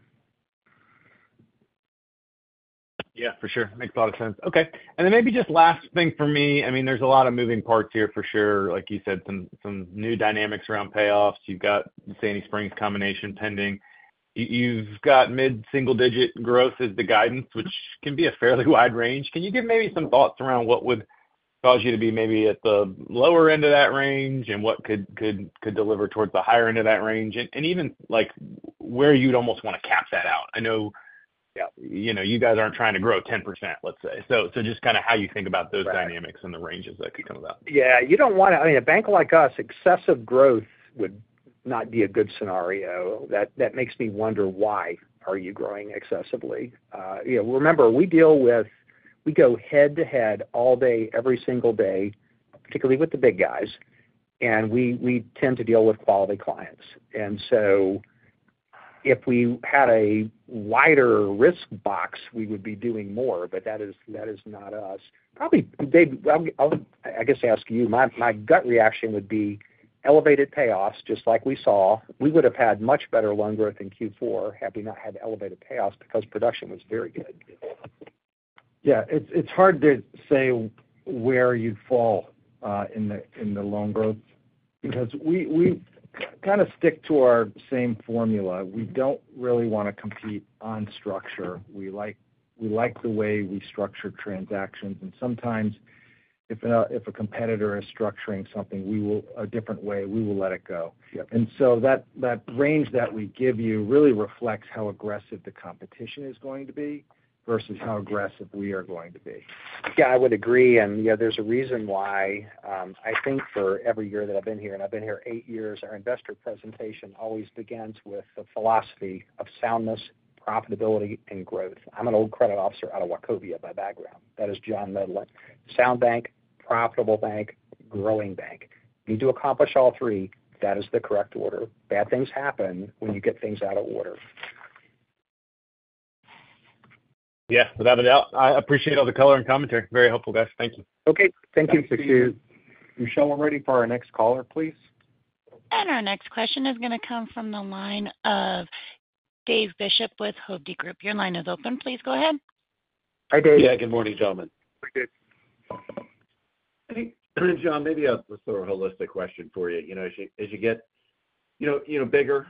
Yeah. For sure. Makes a lot of sense. Okay. And then maybe just last thing for me. I mean, there's a lot of moving parts here for sure. Like you said, some new dynamics around payoffs. You've got the Sandy Spring combination pending. You've got mid-single-digit growth as the guidance, which can be a fairly wide range. Can you give maybe some thoughts around what would cause you to be maybe at the lower end of that range and what could deliver towards the higher end of that range? And even where you'd almost want to cap that out. I know you guys aren't trying to grow 10%, let's say. So just kind of how you think about those dynamics and the ranges that could come about. Yeah. You don't want to, I mean, a bank like us, excessive growth would not be a good scenario. That makes me wonder, why are you growing excessively? Remember, we deal with, we go head-to-head all day, every single day, particularly with the big guys. We tend to deal with quality clients. So if we had a wider risk box, we would be doing more. That is not us. Probably, Dave, I guess I ask you. My gut reaction would be elevated payoffs, just like we saw. We would have had much better loan growth in Q4 had we not had elevated payoffs because production was very good. Yeah. It's hard to say where you'd fall in the loan growth because we kind of stick to our same formula. We don't really want to compete on structure. We like the way we structure transactions. Sometimes, if a competitor is structuring somethinga different way, we will let it go. And so that range that we give you really reflects how aggressive the competition is going to be versus how aggressive we are going to be. Yeah. I would agree. And there's a reason why. I think for every year that I've been here, and I've been here eight years, our investor presentation always begins with the philosophy of soundness, profitability, and growth. I'm an old credit officer out of Wachovia by background. That is John Medlin. Sound bank, profitable bank, growing bank. You need to accomplish all three. That is the correct order. Bad things happen when you get things out of order. Yeah. Without a doubt. I appreciate all the color and commentary. Very helpful, guys. Thank you. Okay. Thank you. Thanks, Steven. Michelle, we're ready for our next caller, please. And our next question is going to come from the line of Dave Bishop with Hovde Group. Your line is open. Please go ahead. Hi, Dave. Yeah. Good morning, gentlemen. Hey, John, maybe a sort of holistic question for you. As you get bigger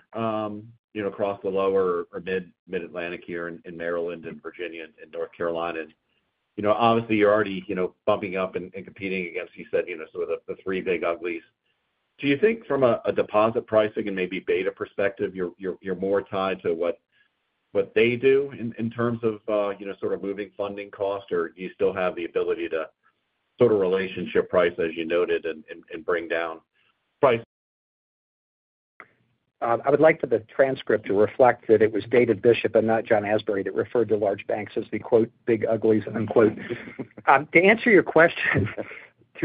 across the lower or Mid-Atlantic here in Maryland and Virginia and North Carolina, obviously, you're already bumping up and competing against sort of the Three Big Uglies. Do you think from a deposit pricing and maybe beta perspective, you're more tied to what they do in terms of sort of moving funding cost? Or do you still have the ability to sort of relationship price, as you noted, and bring down price? To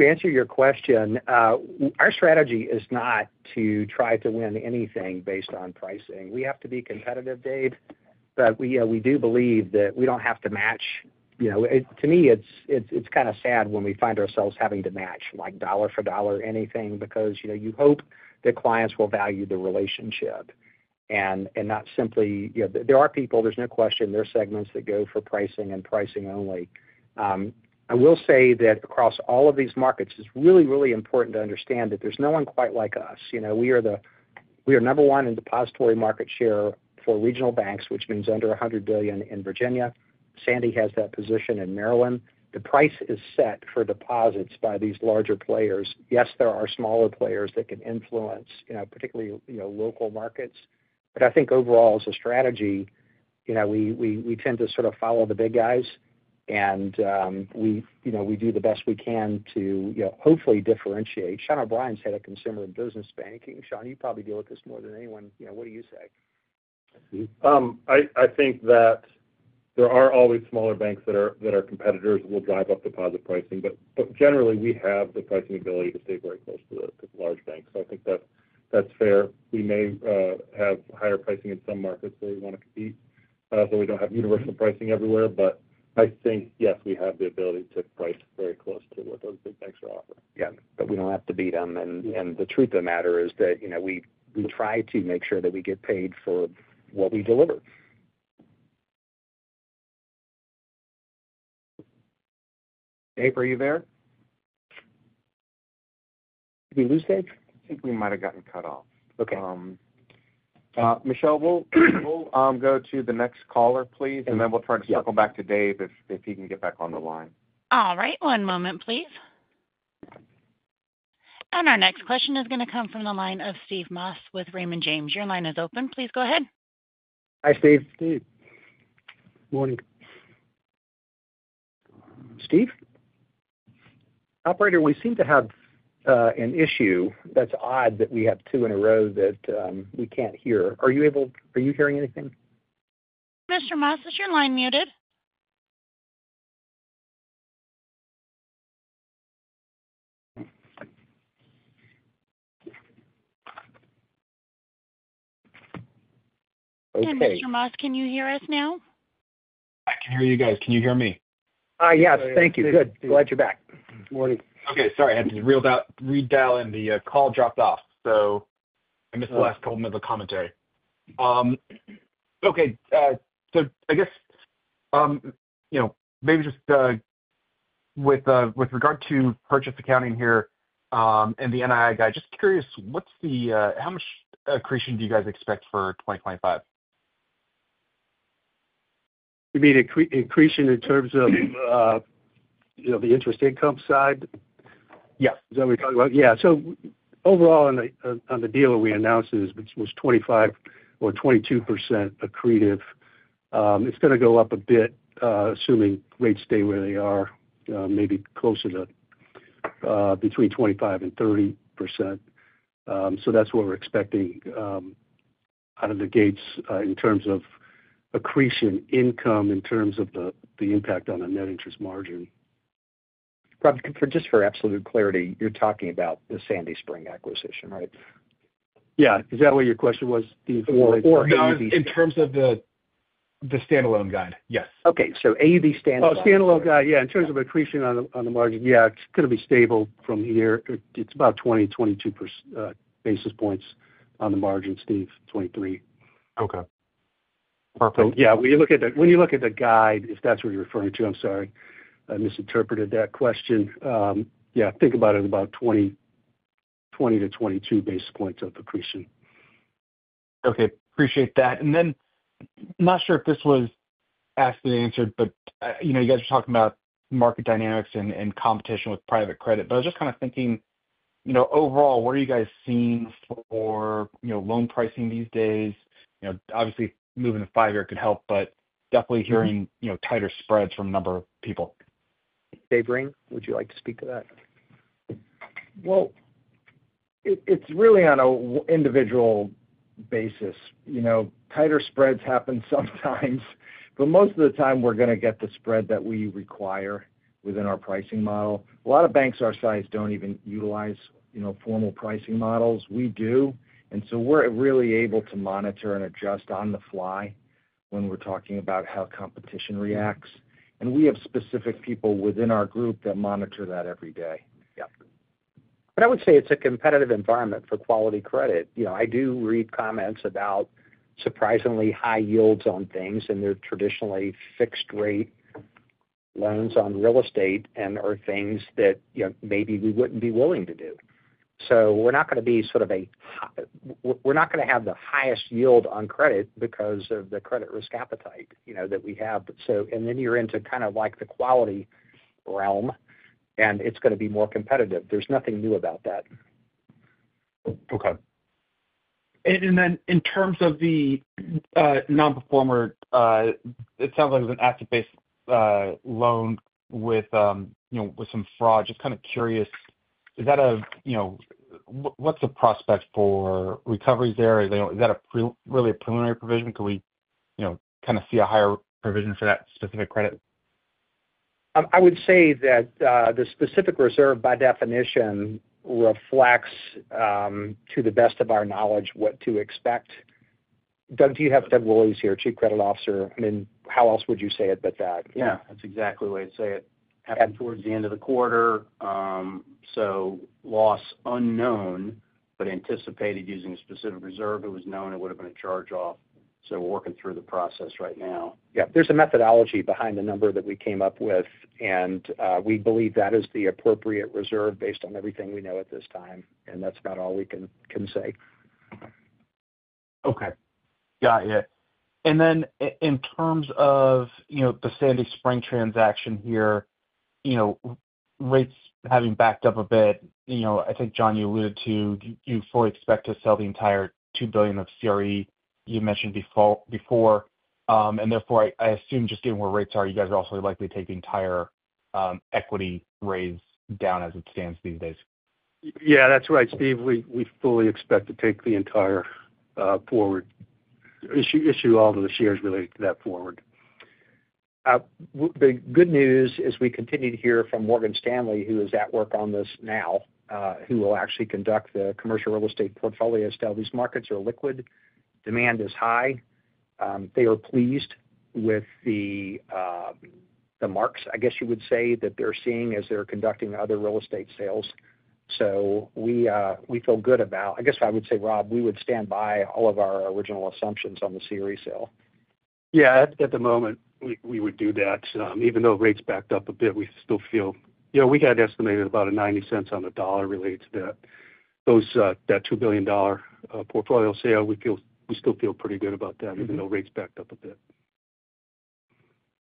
answer your question, our strategy is not to try to win anything based on pricing. We have to be competitive, Dave. But we do believe that we don't have to match. To me, it's kind of sad when we find ourselves having to match dollar for dollar anything because you hope that clients will value the relationship and not simply, there are people, there's no question, there are segments that go for pricing and pricing only. I will say that across all of these markets, it's really, really important to understand that there's no one quite like us. We are number one in depository market share for regional banks, which means under 100 billion in Virginia. Sandy has that position in Maryland. The price is set for deposits by these larger players. Yes, there are smaller players that can influence particularly local markets. But I think overall, as a strategy, we tend to sort of follow the big guys. We do the best we can to hopefully differentiate. Shawn O’Brien is Head of Consumer and Business Banking. Shawn, you probably deal with this more than anyone. What do you say? I think that there are always smaller banks that our competitors will drive up deposit pricing. But generally, we have the pricing ability to stay very close to the large banks. So I think that's fair. We may have higher pricing in some markets where we want to compete. So we don't have universal pricing everywhere. But I think, yes, we have the ability to price very close to what those big banks are offering. Yeah. But we don't have to beat them. And the truth of the matter is that we try to make sure that we get paid for what we deliver. Dave, are you there? Did we lose Dave? I think we might have gotten cut off. Okay. Michelle, we'll go to the next caller, please. And then we'll try to circle back to Dave if he can get back on the line. All right. One moment, please. And our next question is going to come from the line of Steve Moss with Raymond James. Your line is open. Please go ahead. Hi, Steve. Dave. Morning. Steve? Operator, we seem to have an issue. That's odd that we have two in a row that we can't hear. Are you hearing anything? Mr. Moss, is your line muted? Okay. And Mr. Moss, can you hear us now? I can hear you guys. Can you hear me? Yes. Thank you. Good. Glad you're back. Morning. Okay. Sorry. I had to re-dial in. The call dropped off. So I missed the last couple of minutes of commentary. Okay. So I guess maybe just with regard to purchase accounting here and the NII guide, just curious, how much accretion do you guys expect for 2025? You mean accretion in terms of the interest income side? Yes. Is that what we're talking about? Yeah. So overall, on the deal we announced, it was 25% or 22% accretive. It's going to go up a bit, assuming rates stay where they are, maybe closer to between 25% and 30%. So that's what we're expecting out of the gates in terms of accretion income in terms of the impact on the net interest margin. Just for absolute clarity, you're talking about the Sandy Spring acquisition, right? Yeah. Is that what your question was? Or AUB standalone? In terms of the standalone guide. Yes. Okay. So AUB standalone? Oh, standalone guide. Yeah. In terms of accretion on the margin, yeah, it's going to be stable from here. It's about 20, 22 basis points on the margin, Steve. 23. Okay. Perfect. So yeah, when you look at the guide, if that's what you're referring to. I'm sorry. I misinterpreted that question. Yeah. Think about it as about 20 to 22 basis points of accretion. Okay. Appreciate that. And then I'm not sure if this was asked and answered, but you guys were talking about market dynamics and competition with private credit. But I was just kind of thinking, overall, what are you guys seeing for loan pricing these days? Obviously, moving to five-year could help, but definitely hearing tighter spreads from a number of people. Dave Ring, would you like to speak to that? Well, it's really on an individual basis. Tighter spreads happen sometimes. But most of the time, we're going to get the spread that we require within our pricing model. A lot of banks our size don't even utilize formal pricing models. We do. And so we're really able to monitor and adjust on the fly when we're talking about how competition reacts. And we have specific people within our group that monitor that every day. Yep. But I would say it's a competitive environment for quality credit. I do read comments about surprisingly high yields on things. And they're traditionally fixed-rate loans on real estate and are things that maybe we wouldn't be willing to do. So we're not going to be sort of a - we're not going to have the highest yield on credit because of the credit risk appetite that we have. And then you're into kind of the quality realm. And it's going to be more competitive. There's nothing new about that. Okay. And then in terms of the non-performer, it sounds like it was an asset-based loan with some fraud. Just kind of curious, is that a—what's the prospect for recovery there? Is that really a preliminary provision? Could we kind of see a higher provision for that specific credit? I would say that the specific reserve, by definition, reflects, to the best of our knowledge, what to expect. Doug, you have Doug Woolley here, Chief Credit Officer. I mean, how else would you say it but that? Yeah. That's exactly the way I'd say it. Happened towards the end of the quarter. So loss unknown, but anticipated using a specific reserve. It was known it would have been a charge-off. So we're working through the process right now. Yeah. There's a methodology behind the number that we came up with. We believe that is the appropriate reserve based on everything we know at this time. And that's about all we can say. Okay. Got it. In terms of the Sandy Spring transaction here, rates having backed up a bit, I think, John, you alluded to, you fully expect to sell the entire $2 billion of CRE you mentioned before. And therefore, I assume, just given where rates are, you guys are also likely to take the entire equity raise down as it stands these days. Yeah. That's right, Steve. We fully expect to take the entire forward issue, all of the shares related to that forward. The good news is we continue to hear from Morgan Stanley, who is at work on this now, who will actually conduct the commercial real estate portfolio. Still, these markets are liquid. Demand is high. They are pleased with the marks, I guess you would say, that they're seeing as they're conducting other real estate sales. So we feel good about, I guess I would say, Rob, we would stand by all of our original assumptions on the CRE sale. Yeah. At the moment, we would do that. Even though rates backed up a bit, we still feel we had estimated about 90 cents on the dollar related to that $2 billion portfolio sale. We still feel pretty good about that, even though rates backed up a bit.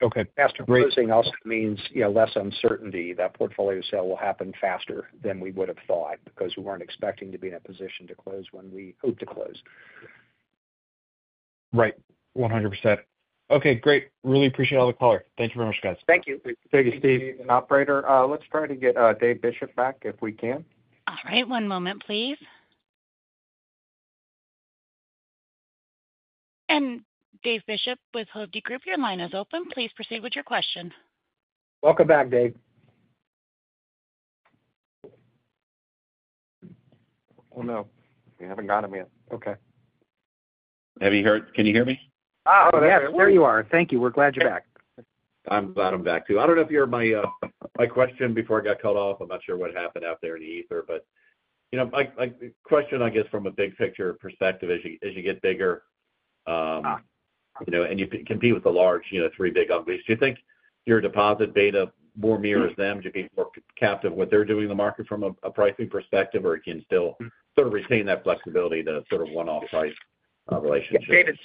Okay. Faster pricing also means less uncertainty. That portfolio sale will happen faster than we would have thought because we weren't expecting to be in a position to close when we hoped to close. Right. 100%. Okay. Great. Really appreciate all the color. Thank you very much, guys. Thank you. Thank you, Steve. Operator, let's try to get Dave Bishop back if we can. All right. One moment, please. And Dave Bishop with Hovde Group. Your line is open. Please proceed with your question. Welcome back, Dave. Oh, no. We haven't got him yet. Okay. Can you hear me? Oh, there you are. Thank you. We're glad you're back. I'm glad I'm back too. I don't know if you heard my question before I got cut off. I'm not sure what happened out there in the ether. But the question, I guess, from a big picture perspective, as you get bigger and you compete with the large Three Big Uglies, do you think your deposit beta more mirrors them? Do you think you're more captive of what they're doing in the market from a pricing perspective? Or can you still sort of retain that flexibility to sort of one-off price relationship?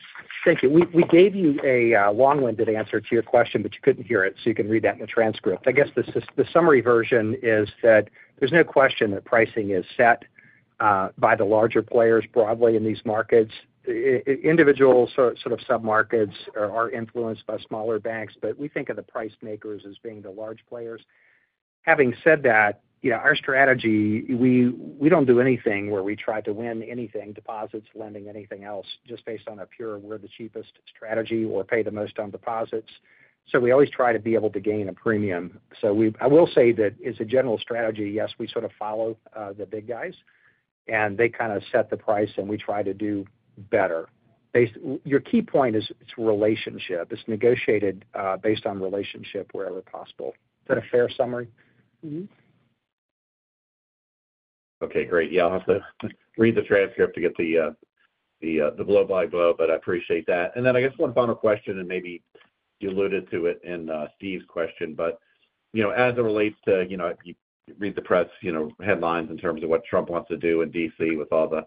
Thank you. We gave you a long-winded answer to your question, but you couldn't hear it. So you can read that in the transcript. I guess the summary version is that there's no question that pricing is set by the larger players broadly in these markets. Individual sort of sub-markets are influenced by smaller banks. But we think of the price makers as being the large players. Having said that, our strategy, we don't do anything where we try to win anything, deposits, lending, anything else, just based on a pure, we're the cheapest strategy or pay the most on deposits. So we always try to be able to gain a premium. So I will say that as a general strategy, yes, we sort of follow the big guys. And they kind of set the price. And we try to do better. Your key point is it's relationship. It's negotiated based on relationship wherever possible. Is that a fair summary? Okay. Great. Yeah. I'll have to read the transcript to get the blow-by-blow. But I appreciate that. And then I guess one final question. And maybe you alluded to it in Steve's question. But as it relates to. You read the press headlines in terms of what Trump wants to do in DC with all the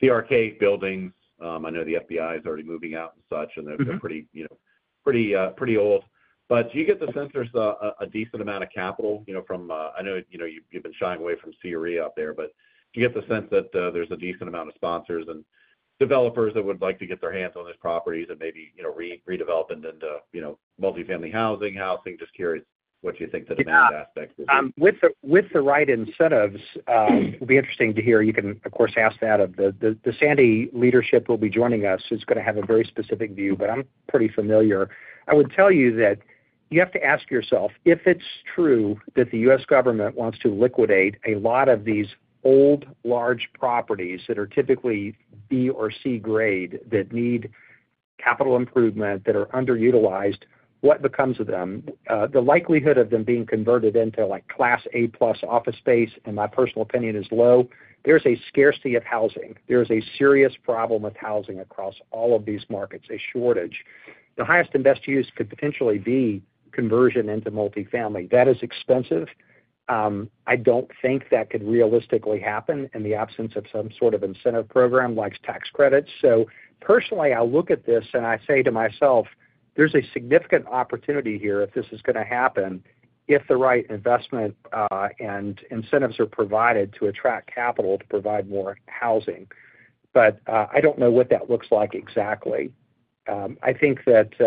PRK buildings. I know the FBI is already moving out and such. And they're pretty old. But do you get the sense there's a decent amount of capital from. I know you've been shying away from CRE out there. But do you get the sense that there's a decent amount of sponsors and developers that would like to get their hands on these properties and maybe redevelop them into multifamily housing? Just curious what you think the demand aspect would be. With the right incentives, it'll be interesting to hear. You can, of course, ask that. The Sandy leadership will be joining us. It's going to have a very specific view. But I'm pretty familiar. I would tell you that you have to ask yourself, if it's true that the U.S. government wants to liquidate a lot of these old large properties that are typically B or C grade that need capital improvement, that are underutilized, what becomes of them? The likelihood of them being converted into Class A-plus office space, in my personal opinion, is low. There is a scarcity of housing. There is a serious problem with housing across all of these markets, a shortage. The highest and best use could potentially be conversion into multifamily. That is expensive. I don't think that could realistically happen in the absence of some sort of incentive program like tax credits. So personally, I look at this and I say to myself, "There's a significant opportunity here if this is going to happen if the right investment and incentives are provided to attract capital to provide more housing." But I don't know what that looks like exactly. I think that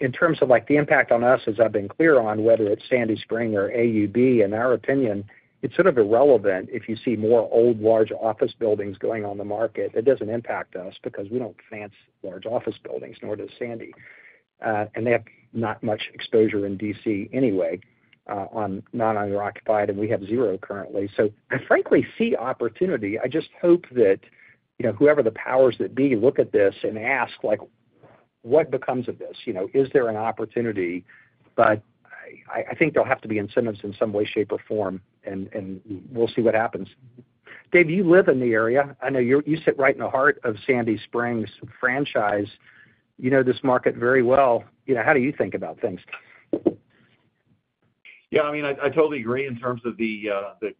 in terms of the impact on us, as I've been clear on, whether it's Sandy Spring or AUB, in our opinion, it's sort of irrelevant if you see more old large office buildings going on the market. It doesn't impact us because we don't finance large office buildings, nor does Sandy. And they have not much exposure in D.C. anyway, not on their occupied. And we have zero currently. So I frankly see opportunity. I just hope that whoever the powers that be look at this and ask, "What becomes of this? Is there an opportunity?" But I think there'll have to be incentives in some way, shape, or form. And we'll see what happens. Dave, you live in the area. I know you sit right in the heart of Sandy Spring's franchise. You know this market very well. How do you think about things? Yeah. I mean, I totally agree in terms of the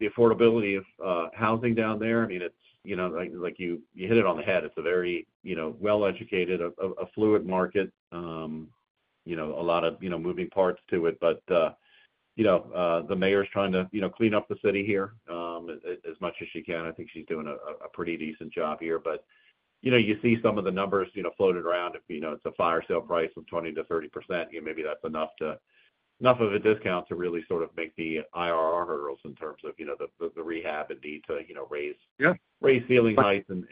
affordability of housing down there. I mean, you hit it on the head. It's a very well-educated, affluent market. A lot of moving parts to it. But the mayor's trying to clean up the city here as much as she can. I think she's doing a pretty decent job here. But you see some of the numbers floated around. If it's a fire sale price of 20%-30%, maybe that's enough of a discount to really sort of make the IRR hurdles in terms of the rehab and need to raise ceiling heights and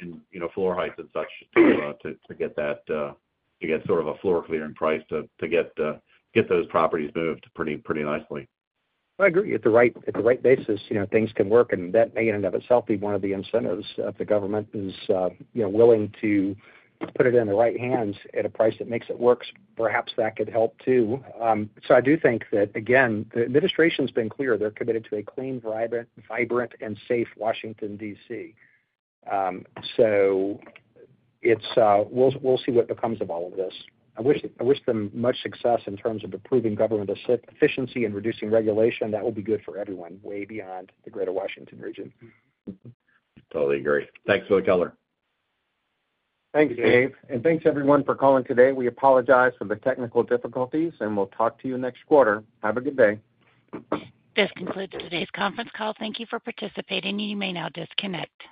floor heights and such to get that to get sort of a floor clearing price to get those properties moved pretty nicely. I agree. At the right basis, things can work, and that may in and of itself be one of the incentives if the government is willing to put it in the right hands at a price that makes it work. Perhaps that could help too, so I do think that, again, the administration's been clear. They're committed to a clean, vibrant, and safe Washington, D.C., so we'll see what becomes of all of this. I wish them much success in terms of improving government efficiency and reducing regulation. That will be good for everyone way beyond the greater Washington region. Totally agree. Thanks for the color. Thanks, Dave. And thanks, everyone, for calling today. We apologize for the technical difficulties. And we'll talk to you next quarter. Have a good day. This concludes today's conference call. Thank you for participating. You may now disconnect.